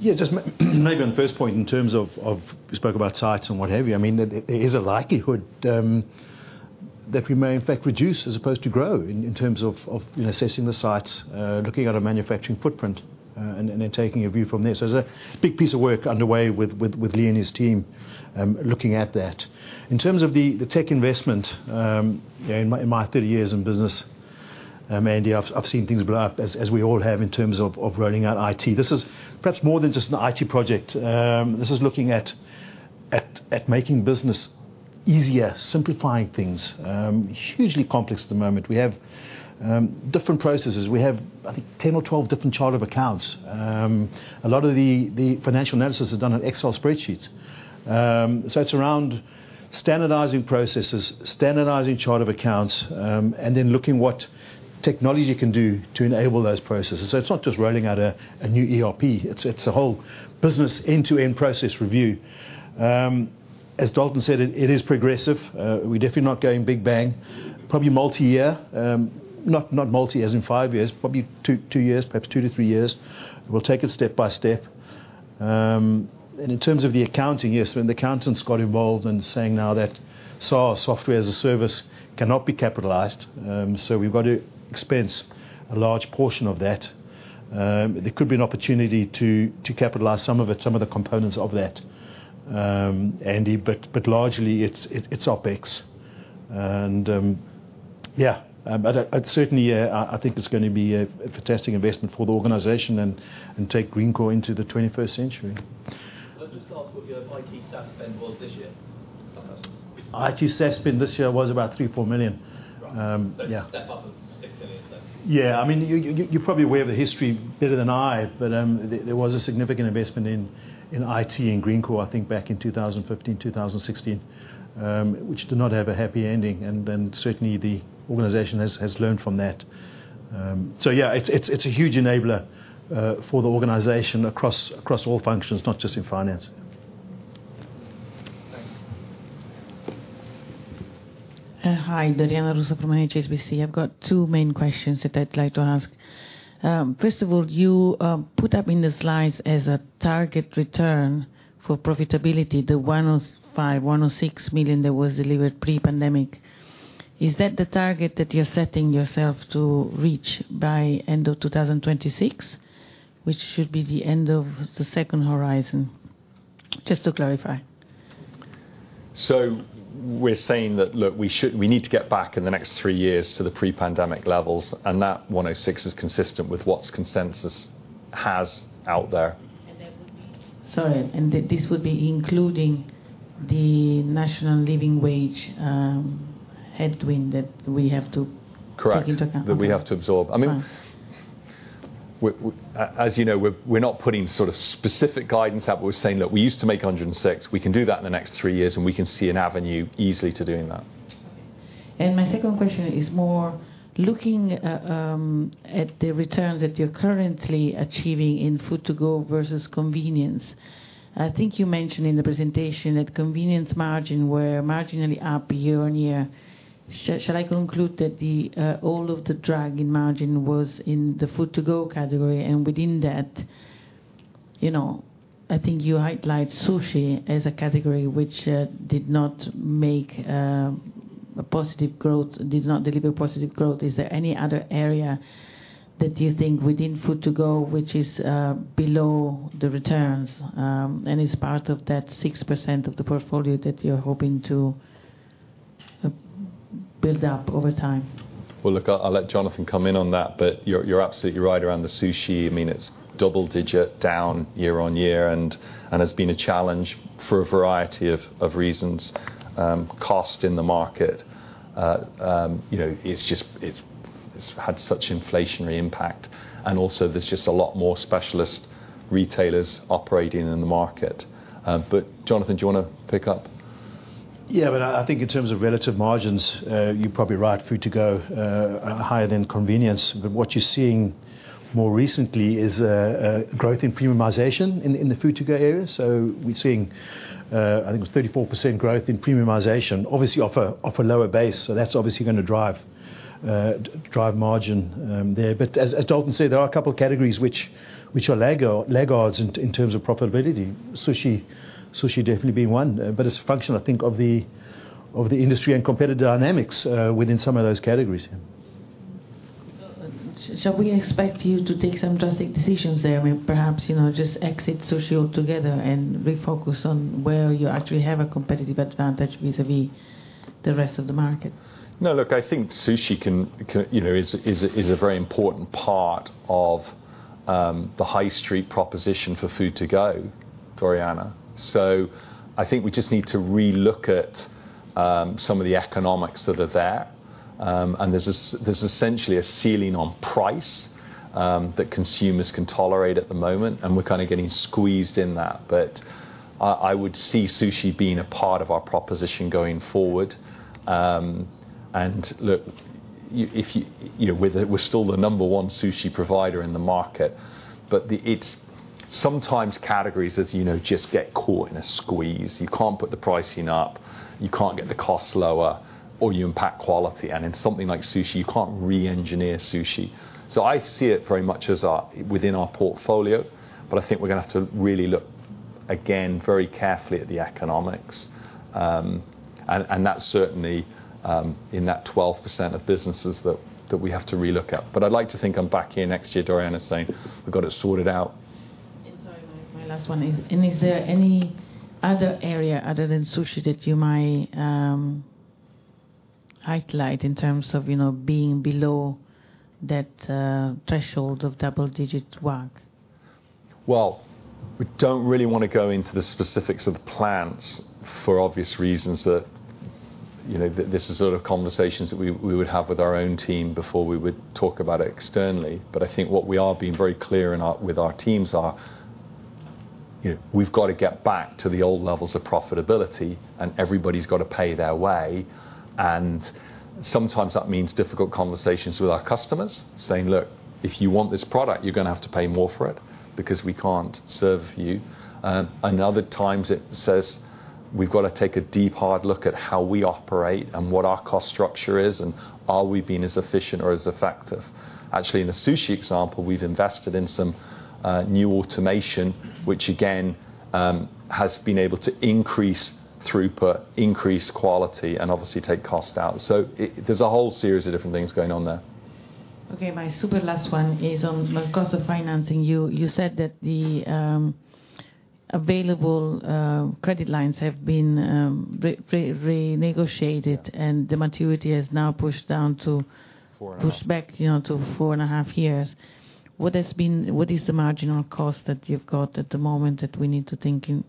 Yeah, just maybe on the first point, in terms of, you spoke about sites and what have you, I mean, there is a likelihood that we may, in fact, reduce as opposed to grow in terms of, you know, assessing the sites, looking at our manufacturing footprint, and then taking a view from there. So there's a big piece of work underway with Lee and his team looking at that. In terms of the tech investment, in my 30 years in business, Andy, I've seen things blow up, as we all have, in terms of rolling out IT. This is perhaps more than just an IT project. This is looking at making business easier, simplifying things. Hugely complex at the moment. We have different processes. We have, I think, 10 or 12 different chart of accounts. A lot of the financial analysis is done on Excel spreadsheets. So it's around standardizing processes, standardizing chart of accounts, and then looking what technology can do to enable those processes. So it's not just rolling out a new ERP, it's a whole business end-to-end process review. As Dalton said, it is progressive. We're definitely not going big bang. Probably multi-year, not multi-year as in five years, probably two years, perhaps two to three years. We'll take it step by step. And in terms of the accounting, yes, when the accountants got involved and saying now that SaaS software as a service cannot be capitalized, so we've got to expense a large portion of that. There could be an opportunity to capitalize some of it, some of the components of that, Andy, but largely, it's OpEx. And, yeah, but it certainly, I think it's going to be a fantastic investment for the organization and take Greencore into the 21st century. Can I just ask what your IT SaaS spend was this year? IT SaaS spend this year was about 3 million-4 million. Right. Um, yeah. So a step up of 6 million, so... Yeah. I mean, you, you're probably aware of the history better than I, but there was a significant investment in IT in Greencore, I think, back in 2015, 2016, which did not have a happy ending, and then certainly the organization has learned from that. So yeah, it's a huge enabler for the organization across all functions, not just in finance. Thanks. Hi, Doriana Russo from HSBC. I've got two main questions that I'd like to ask. First of all, you put up in the slides as a target return for profitability, the 105 million, 106 million that was delivered pre-pandemic. Is that the target that you're setting yourself to reach by end of 2026, which should be the end of the second horizon? Just to clarify. So we're saying that, look, we should—we need to get back in the next three years to the pre-pandemic levels, and that 106 is consistent with what's consensus has out there. Sorry, and this would be including the National Living Wage headwind that we have to- Correct. Take into account? That we have to absorb. Right. I mean, as you know, we're not putting sort of specific guidance out. We're saying that we used to make 106. We can do that in the next three years, and we can see an avenue easily to doing that. Okay. And my second question is more looking at the returns that you're currently achieving in Food to Go versus Convenience. I think you mentioned in the presentation that Convenience margin were marginally up year-on-year. Shall I conclude that the all of the drag in margin was in the Food to Go category, and within that, you know, I think you highlight sushi as a category which did not make a positive growth—did not deliver positive growth. Is there any other area that you think within Food to Go, which is below the returns, and is part of that 6% of the portfolio that you're hoping to build up over time? Well, look, I'll let Jonathan come in on that, but you're absolutely right around the sushi. I mean, it's double-digit down year-on-year, and has been a challenge for a variety of reasons. Cost in the market, you know, it's just, it's had such inflationary impact, and also there's just a lot more specialist retailers operating in the market. But, Jonathan, do you want to pick up? Yeah, but I think in terms of relative margins, you're probably right, Food to Go are higher than Convenience. But what you're seeing more recently is a growth in premiumization in the Food to Go area. So we're seeing, I think it was 34% growth in premiumization, obviously off a lower base, so that's obviously going to drive margin there. But as Dalton said, there are a couple of categories which are laggards in terms of profitability. Sushi definitely being one, but it's a function, I think, of the industry and competitive dynamics within some of those categories. Shall we expect you to take some drastic decisions there and perhaps, you know, just exit sushi altogether and refocus on where you actually have a competitive advantage vis-a-vis the rest of the market? No, look, I think sushi can. You know, is a very important part of the high street proposition for Food to Go, Doriana. So I think we just need to relook at some of the economics that are there. And there's essentially a ceiling on price that consumers can tolerate at the moment, and we're kind of getting squeezed in that. But I would see sushi being a part of our proposition going forward. And look, if you—you know, we're still the number one sushi provider in the market, but the... It's sometimes categories, as you know, just get caught in a squeeze. You can't put the pricing up, you can't get the costs lower, or you impact quality, and in something like sushi, you can't reengineer sushi. So I see it very much as our within our portfolio, but I think we're going to have to really look again very carefully at the economics. And that's certainly in that 12% of businesses that we have to relook at. But I'd like to think I'm back here next year, Doriana, saying, "We've got it sorted out. Sorry, my last one is: And is there any other area other than sushi that you might highlight in terms of, you know, being below that threshold of double-digit WACC? Well, we don't really want to go into the specifics of the plans for obvious reasons, that, you know, this is sort of conversations that we would have with our own team before we would talk about it externally. But I think what we are being very clear in our, with our teams are, you know, we've got to get back to the old levels of profitability, and everybody's got to pay their way. And sometimes that means difficult conversations with our customers, saying: Look, if you want this product, you're going to have to pay more for it because we can't serve you. And other times it says we've got to take a deep, hard look at how we operate and what our cost structure is, and are we being as efficient or as effective? Actually, in the sushi example, we've invested in some new automation, which again has been able to increase throughput, increase quality, and obviously take cost out. So there's a whole series of different things going on there. Okay, my super last one is on the cost of financing. You said that the available credit lines have been renegotiated- Yeah. and the maturity has now pushed down to 4.5. Pushed back, you know, to 4.5 years. What is the marginal cost that you've got at the moment that we need to think in?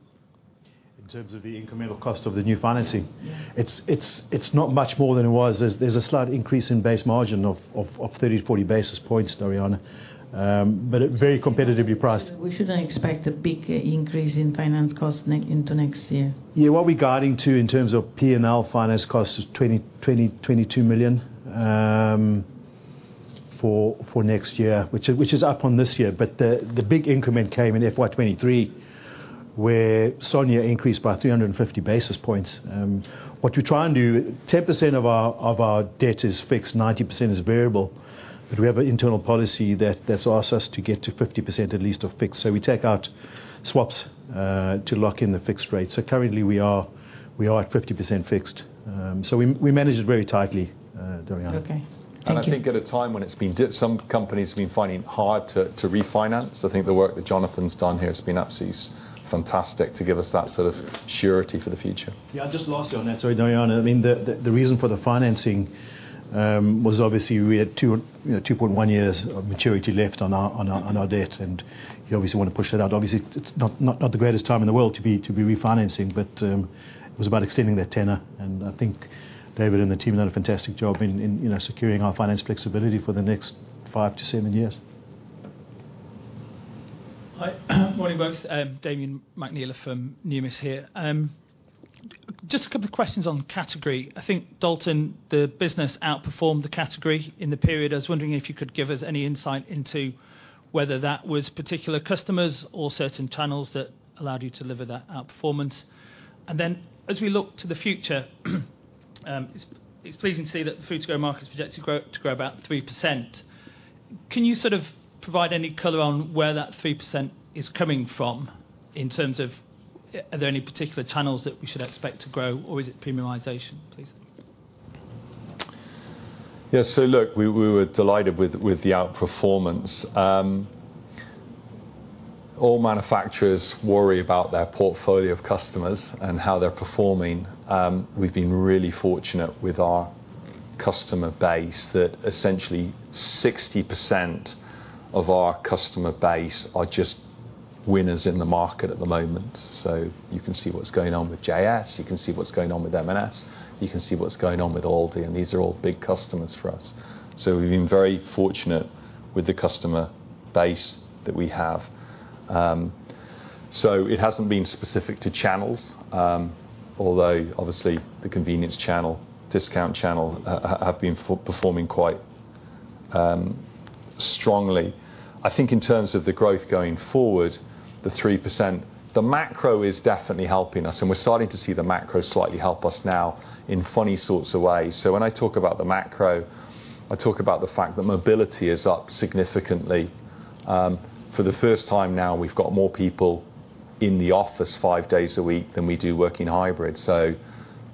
In terms of the incremental cost of the new financing? Yeah. It's not much more than it was. There's a slight increase in base margin of 30-40 basis points, Doriana, but it very competitively priced. We shouldn't expect a big increase in finance costs into next year? Yeah, what we're guiding to in terms of P&L finance costs is 22 million for next year, which is up on this year. But the big increment came in FY 2023, where SONIA increased by 350 basis points. What we try and do, 10% of our debt is fixed, 90% is variable, but we have an internal policy that's asked us to get to 50% at least of fixed. So we take out swaps to lock in the fixed rate. So currently we are at 50% fixed. So we manage it very tightly. Okay. Thank you. I think at a time when it's been some companies have been finding it hard to, to refinance, I think the work that Jonathan's done here has been absolutely fantastic to give us that sort of surety for the future. Yeah, I just lost you on that, sorry, Doriana. I mean, the reason for the financing was obviously we had two, you know, 2.1 years of maturity left on our debt, and you obviously want to push that out. Obviously, it's not the greatest time in the world to be refinancing, but it was about extending the tenor. I think David and the team have done a fantastic job in, you know, securing our financial flexibility for the next five to seven years. Hi. Morning, both. Damian McNeela from Numis here. Just a couple of questions on category. I think, Dalton, the business outperformed the category in the period. I was wondering if you could give us any insight into whether that was particular customers or certain channels that allowed you to deliver that outperformance. And then, as we look to the future, it's pleasing to see that the Food to Go market is projected to grow about 3%. Can you sort of provide any color on where that 3% is coming from in terms of, are there any particular channels that we should expect to grow, or is it premiumization, please? Yeah, so look, we were delighted with the outperformance. All manufacturers worry about their portfolio of customers and how they're performing. We've been really fortunate with our customer base that essentially 60% of our customer base are just winners in the market at the moment. So you can see what's going on with JS, you can see what's going on with M&S, you can see what's going on with Aldi, and these are all big customers for us. So we've been very fortunate with the customer base that we have. So it hasn't been specific to channels, although obviously, the Convenience channel, discount channel, have been performing quite strongly. I think in terms of the growth going forward, the 3%, the macro is definitely helping us, and we're starting to see the macro slightly help us now in funny sorts of ways. So when I talk about the macro, I talk about the fact that mobility is up significantly. For the first time now, we've got more people in the office five days a week than we do working hybrid. So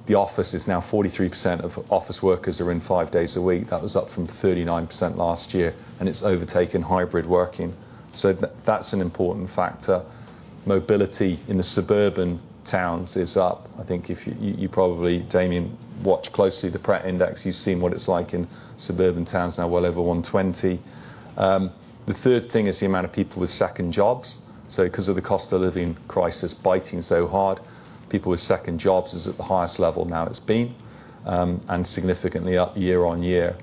the office is now 43% of office workers are in five days a week. That was up from 39% last year, and it's overtaken hybrid working. So that's an important factor. Mobility in the suburban towns is up. I think if you probably, Damian, watch closely the Pret Index, you've seen what it's like in suburban towns, now well over 120. The third thing is the amount of people with second jobs. So because of the cost of living crisis biting so hard, people with second jobs is at the highest level now it's been, and significantly up year-on-year.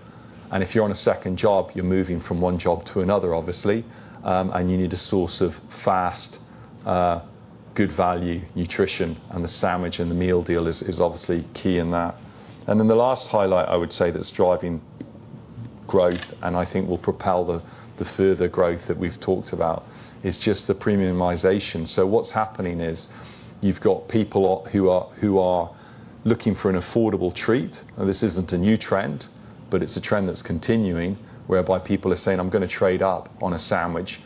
And if you're on a second job, you're moving from one job to another, obviously, and you need a source of fast, good value, nutrition, and the sandwich and the meal deal is, is obviously key in that. And then the last highlight, I would say, that's driving growth, and I think will propel the, the further growth that we've talked about, is just the premiumization. So what's happening is you've got people up, who are, who are looking for an affordable treat. This isn't a new trend, but it's a trend that's continuing, whereby people are saying, "I'm gonna trade up on a sandwich."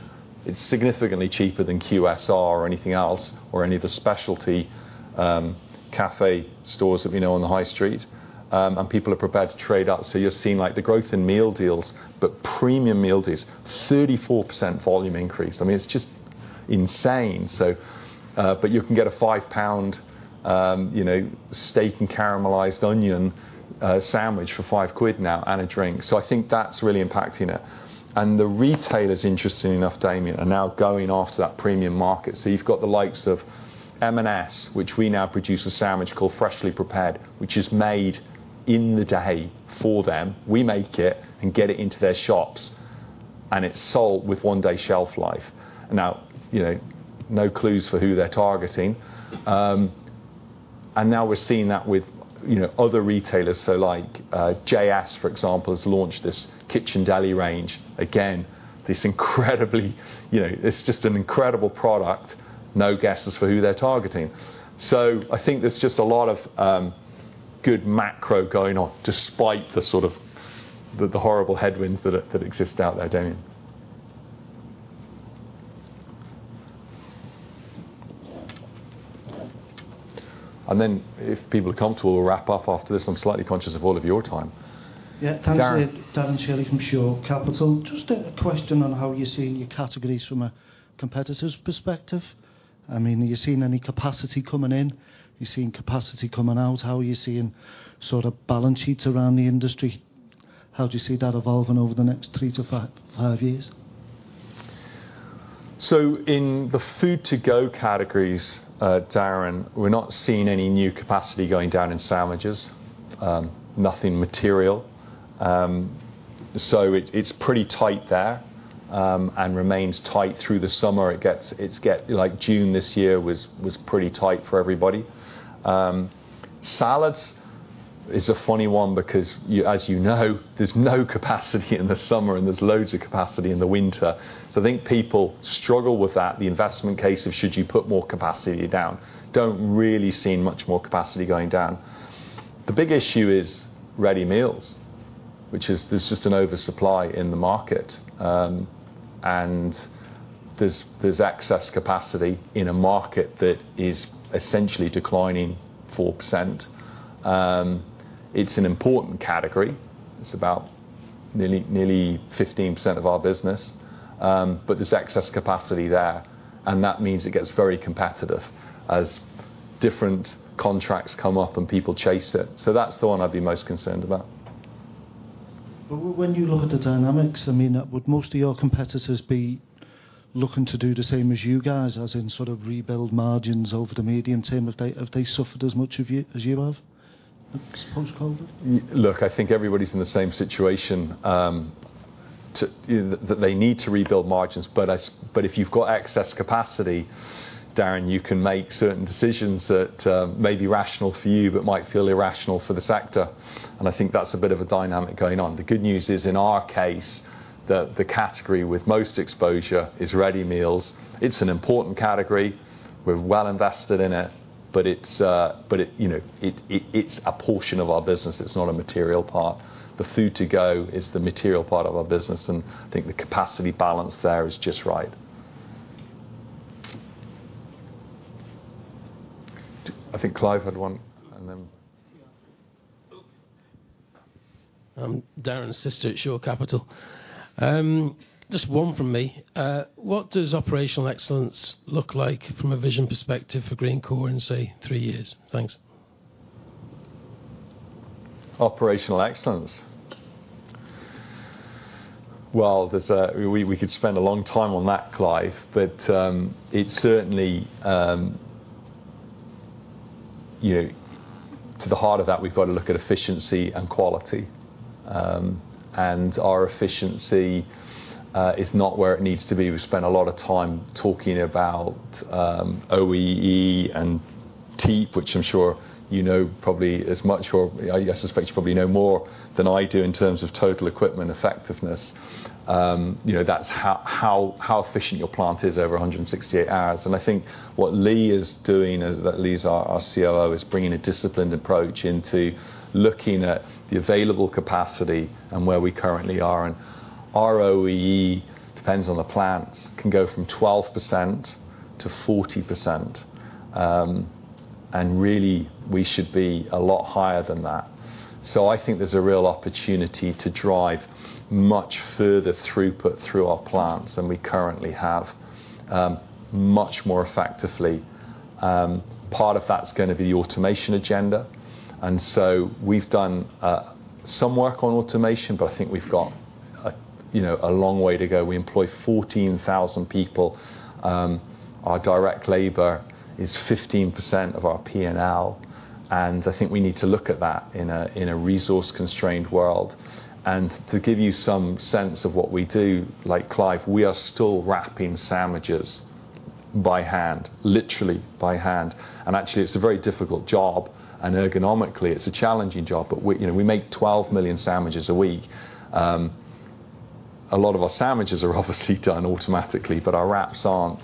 It's significantly cheaper than QSR or anything else, or any of the specialty cafe stores that we know on the high street, and people are prepared to trade up. So you're seeing, like, the growth in meal deals, but premium meal deals, 34% volume increase. I mean, it's just insane. So, but you can get a 5 pound, you know, steak and caramelized onion sandwich for 5 quid now and a drink. So I think that's really impacting it. And the retailers, interestingly enough, Damian, are now going after that premium market. So you've got the likes of M&S, which we now produce a sandwich called Freshly Prepared, which is made in the day for them. We make it and get it into their shops, and it's sold with one-day shelf life. Now, you know, no clues for who they're targeting. And now we're seeing that with, you know, other retailers. So like, JS, for example, has launched this Kitchen Deli range. Again, this incredibly... You know, it's just an incredible product. No guesses for who they're targeting. So I think there's just a lot of good macro going on, despite the sort of the, the horrible headwinds that, that exist out there, Damian. And then if people are comfortable, we'll wrap up after this. I'm slightly conscious of all of your time. Yeah. Darren? Thanks, Darren Shirley from Shore Capital. Just a question on how you're seeing your categories from a competitor's perspective. I mean, are you seeing any capacity coming in? Are you seeing capacity coming out? How are you seeing sort of balance sheets around the industry? How do you see that evolving over the next three to five, five years? So in the Food to Go categories, Darren, we're not seeing any new capacity going down in sandwiches, nothing material. So it's pretty tight there, and remains tight through the summer. It's like, June this year was pretty tight for everybody. Salads is a funny one because as you know, there's no capacity in the summer, and there's loads of capacity in the winter. So I think people struggle with that, the investment case of should you put more capacity down. Don't really see much more capacity going down. The big issue is ready meals, which is there's just an oversupply in the market. There's excess capacity in a market that is essentially declining 4%. It's an important category. It's about nearly 15% of our business. But there's excess capacity there, and that means it gets very competitive as different contracts come up, and people chase it. So that's the one I'd be most concerned about. But when you look at the dynamics, I mean, would most of your competitors be looking to do the same as you guys, as in sort of rebuild margins over the medium term? Have they suffered as much as you have, post-COVID? Look, I think everybody's in the same situation, that they need to rebuild margins. But if you've got excess capacity, Darren, you can make certain decisions that may be rational for you but might feel irrational for the sector, and I think that's a bit of a dynamic going on. The good news is, in our case, the category with most exposure is ready meals. It's an important category. We're well invested in it, but it's, but it, you know, it, it's a portion of our business. It's not a material part. The Food to Go is the material part of our business, and I think the capacity balance there is just right. I think Clive had one, and then- Darren Shirley at Shore Capital. Just one from me. What does operational excellence look like from a vision perspective for Greencore in, say, three years? Thanks. Operational excellence? Well, we could spend a long time on that, Clive, but it certainly. To the heart of that, we've got to look at efficiency and quality. And our efficiency is not where it needs to be. We spend a lot of time talking about OEE and TEEP, which I'm sure you know, probably as much or, I suspect, you probably know more than I do in terms of total equipment effectiveness. You know, that's how efficient your plant is over 168 hours. And I think what Lee is doing, Lee's our COO, is bringing a disciplined approach into looking at the available capacity and where we currently are. And our OEE, depends on the plants, can go from 12%-40%. Really, we should be a lot higher than that. So I think there's a real opportunity to drive much further throughput through our plants than we currently have, much more effectively. Part of that's gonna be the automation agenda, and so we've done some work on automation, but I think we've got a, you know, a long way to go. We employ 14,000 people. Our direct labor is 15% of our P&L, and I think we need to look at that in a, in a resource-constrained world. And to give you some sense of what we do, like Clive, we are still wrapping sandwiches by hand, literally by hand. And actually, it's a very difficult job, and ergonomically, it's a challenging job, but we, you know, we make 12 million sandwiches a week. A lot of our sandwiches are obviously done automatically, but our wraps aren't.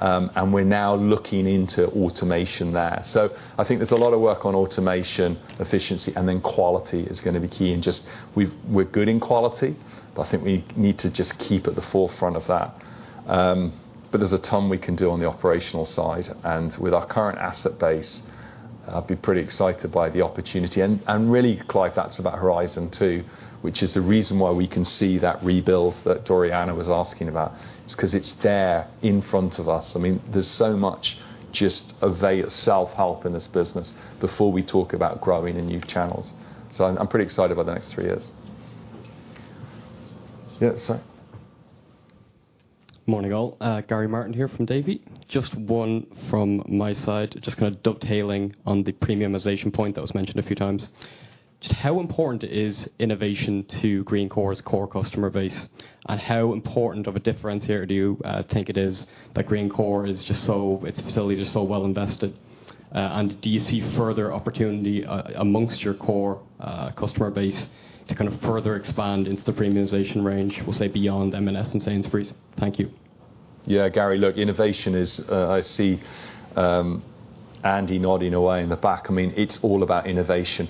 And we're now looking into automation there. So I think there's a lot of work on automation, efficiency, and then quality is gonna be key. And just, we're good in quality, but I think we need to just keep at the forefront of that. But there's a ton we can do on the operational side, and with our current asset base, I'd be pretty excited by the opportunity. And really, Clive, that's about horizon, too, which is the reason why we can see that rebuild that Doriana was asking about. It's because it's there in front of us. I mean, there's so much just available self-help in this business before we talk about growing in new channels. So I'm pretty excited about the next three years. Yeah, Sir. Morning, all. Gary Martin here from Davy. Just one from my side, just kind of dovetailing on the premiumization point that was mentioned a few times. Just how important is innovation to Greencore's core customer base, and how important of a differentiator do you think it is that Greencore is just so... Its facilities are so well invested? And do you see further opportunity amongst your core customer base to kind of further expand into the premiumization range, we'll say, beyond M&S and Sainsbury's? Thank you. Yeah, Gary, look, innovation is... I see, Andy nodding away in the back. I mean, it's all about innovation.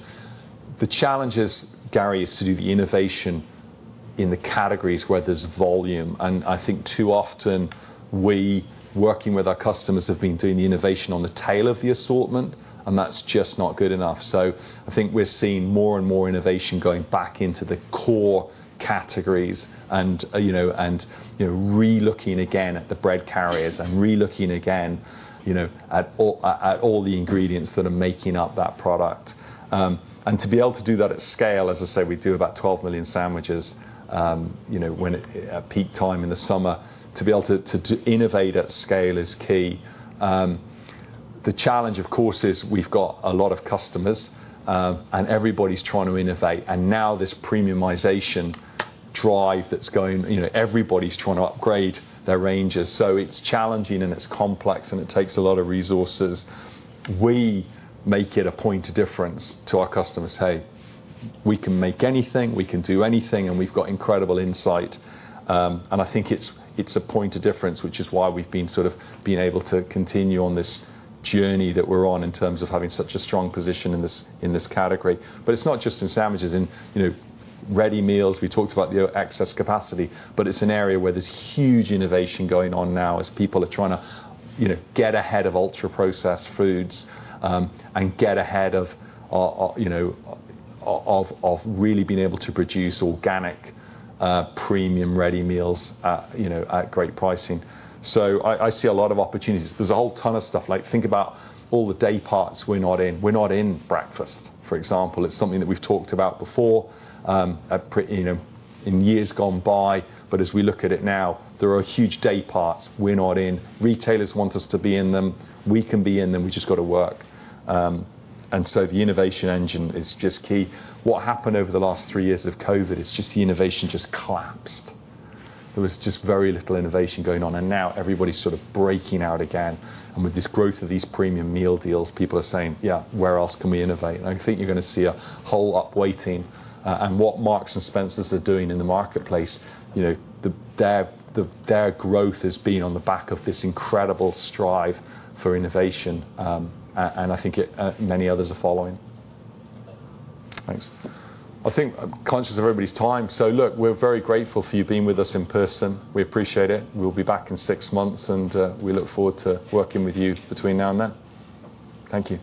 The challenge is, Gary, is to do the innovation in the categories where there's volume. And I think too often, we, working with our customers, have been doing the innovation on the tail of the assortment, and that's just not good enough. So I think we're seeing more and more innovation going back into the core categories and, you know, and, you know, relooking again at the bread carriers and relooking again, you know, at all, at, at all the ingredients that are making up that product. And to be able to do that at scale, as I say, we do about 12 million sandwiches, you know, at peak time in the summer. To be able to innovate at scale is key. The challenge, of course, is we've got a lot of customers, and everybody's trying to innovate, and now this premiumization drive that's going, you know, everybody's trying to upgrade their ranges. So it's challenging, and it's complex, and it takes a lot of resources. We make it a point of difference to our customers: "Hey, we can make anything, we can do anything, and we've got incredible insight." And I think it's, it's a point of difference, which is why we've been sort of been able to continue on this journey that we're on in terms of having such a strong position in this, in this category. But it's not just in sandwiches, in, you know, ready meals. We talked about the excess capacity, but it's an area where there's huge innovation going on now as people are trying to, you know, get ahead of ultra-processed foods, and get ahead of, you know, really being able to produce organic, premium-ready meals at, you know, at great pricing. So I see a lot of opportunities. There's a whole ton of stuff, like, think about all the day parts we're not in. We're not in breakfast, for example. It's something that we've talked about before, at pre- you know, in years gone by, but as we look at it now, there are huge day parts we're not in. Retailers want us to be in them. We can be in them. We've just got to work. And so the innovation engine is just key. What happened over the last three years of COVID is just the innovation just collapsed. There was just very little innovation going on, and now everybody's sort of breaking out again. And with this growth of these premium meal deals, people are saying: "Yeah, where else can we innovate?" And I think you're going to see a whole upweighting. And what Marks & Spencer are doing in the marketplace, you know, their, their, their growth has been on the back of this incredible strive for innovation. I think it, many others are following. Thanks. I think I'm conscious of everybody's time, so look, we're very grateful for you being with us in person. We appreciate it. We'll be back in six months, and, we look forward to working with you between now and then. Thank you.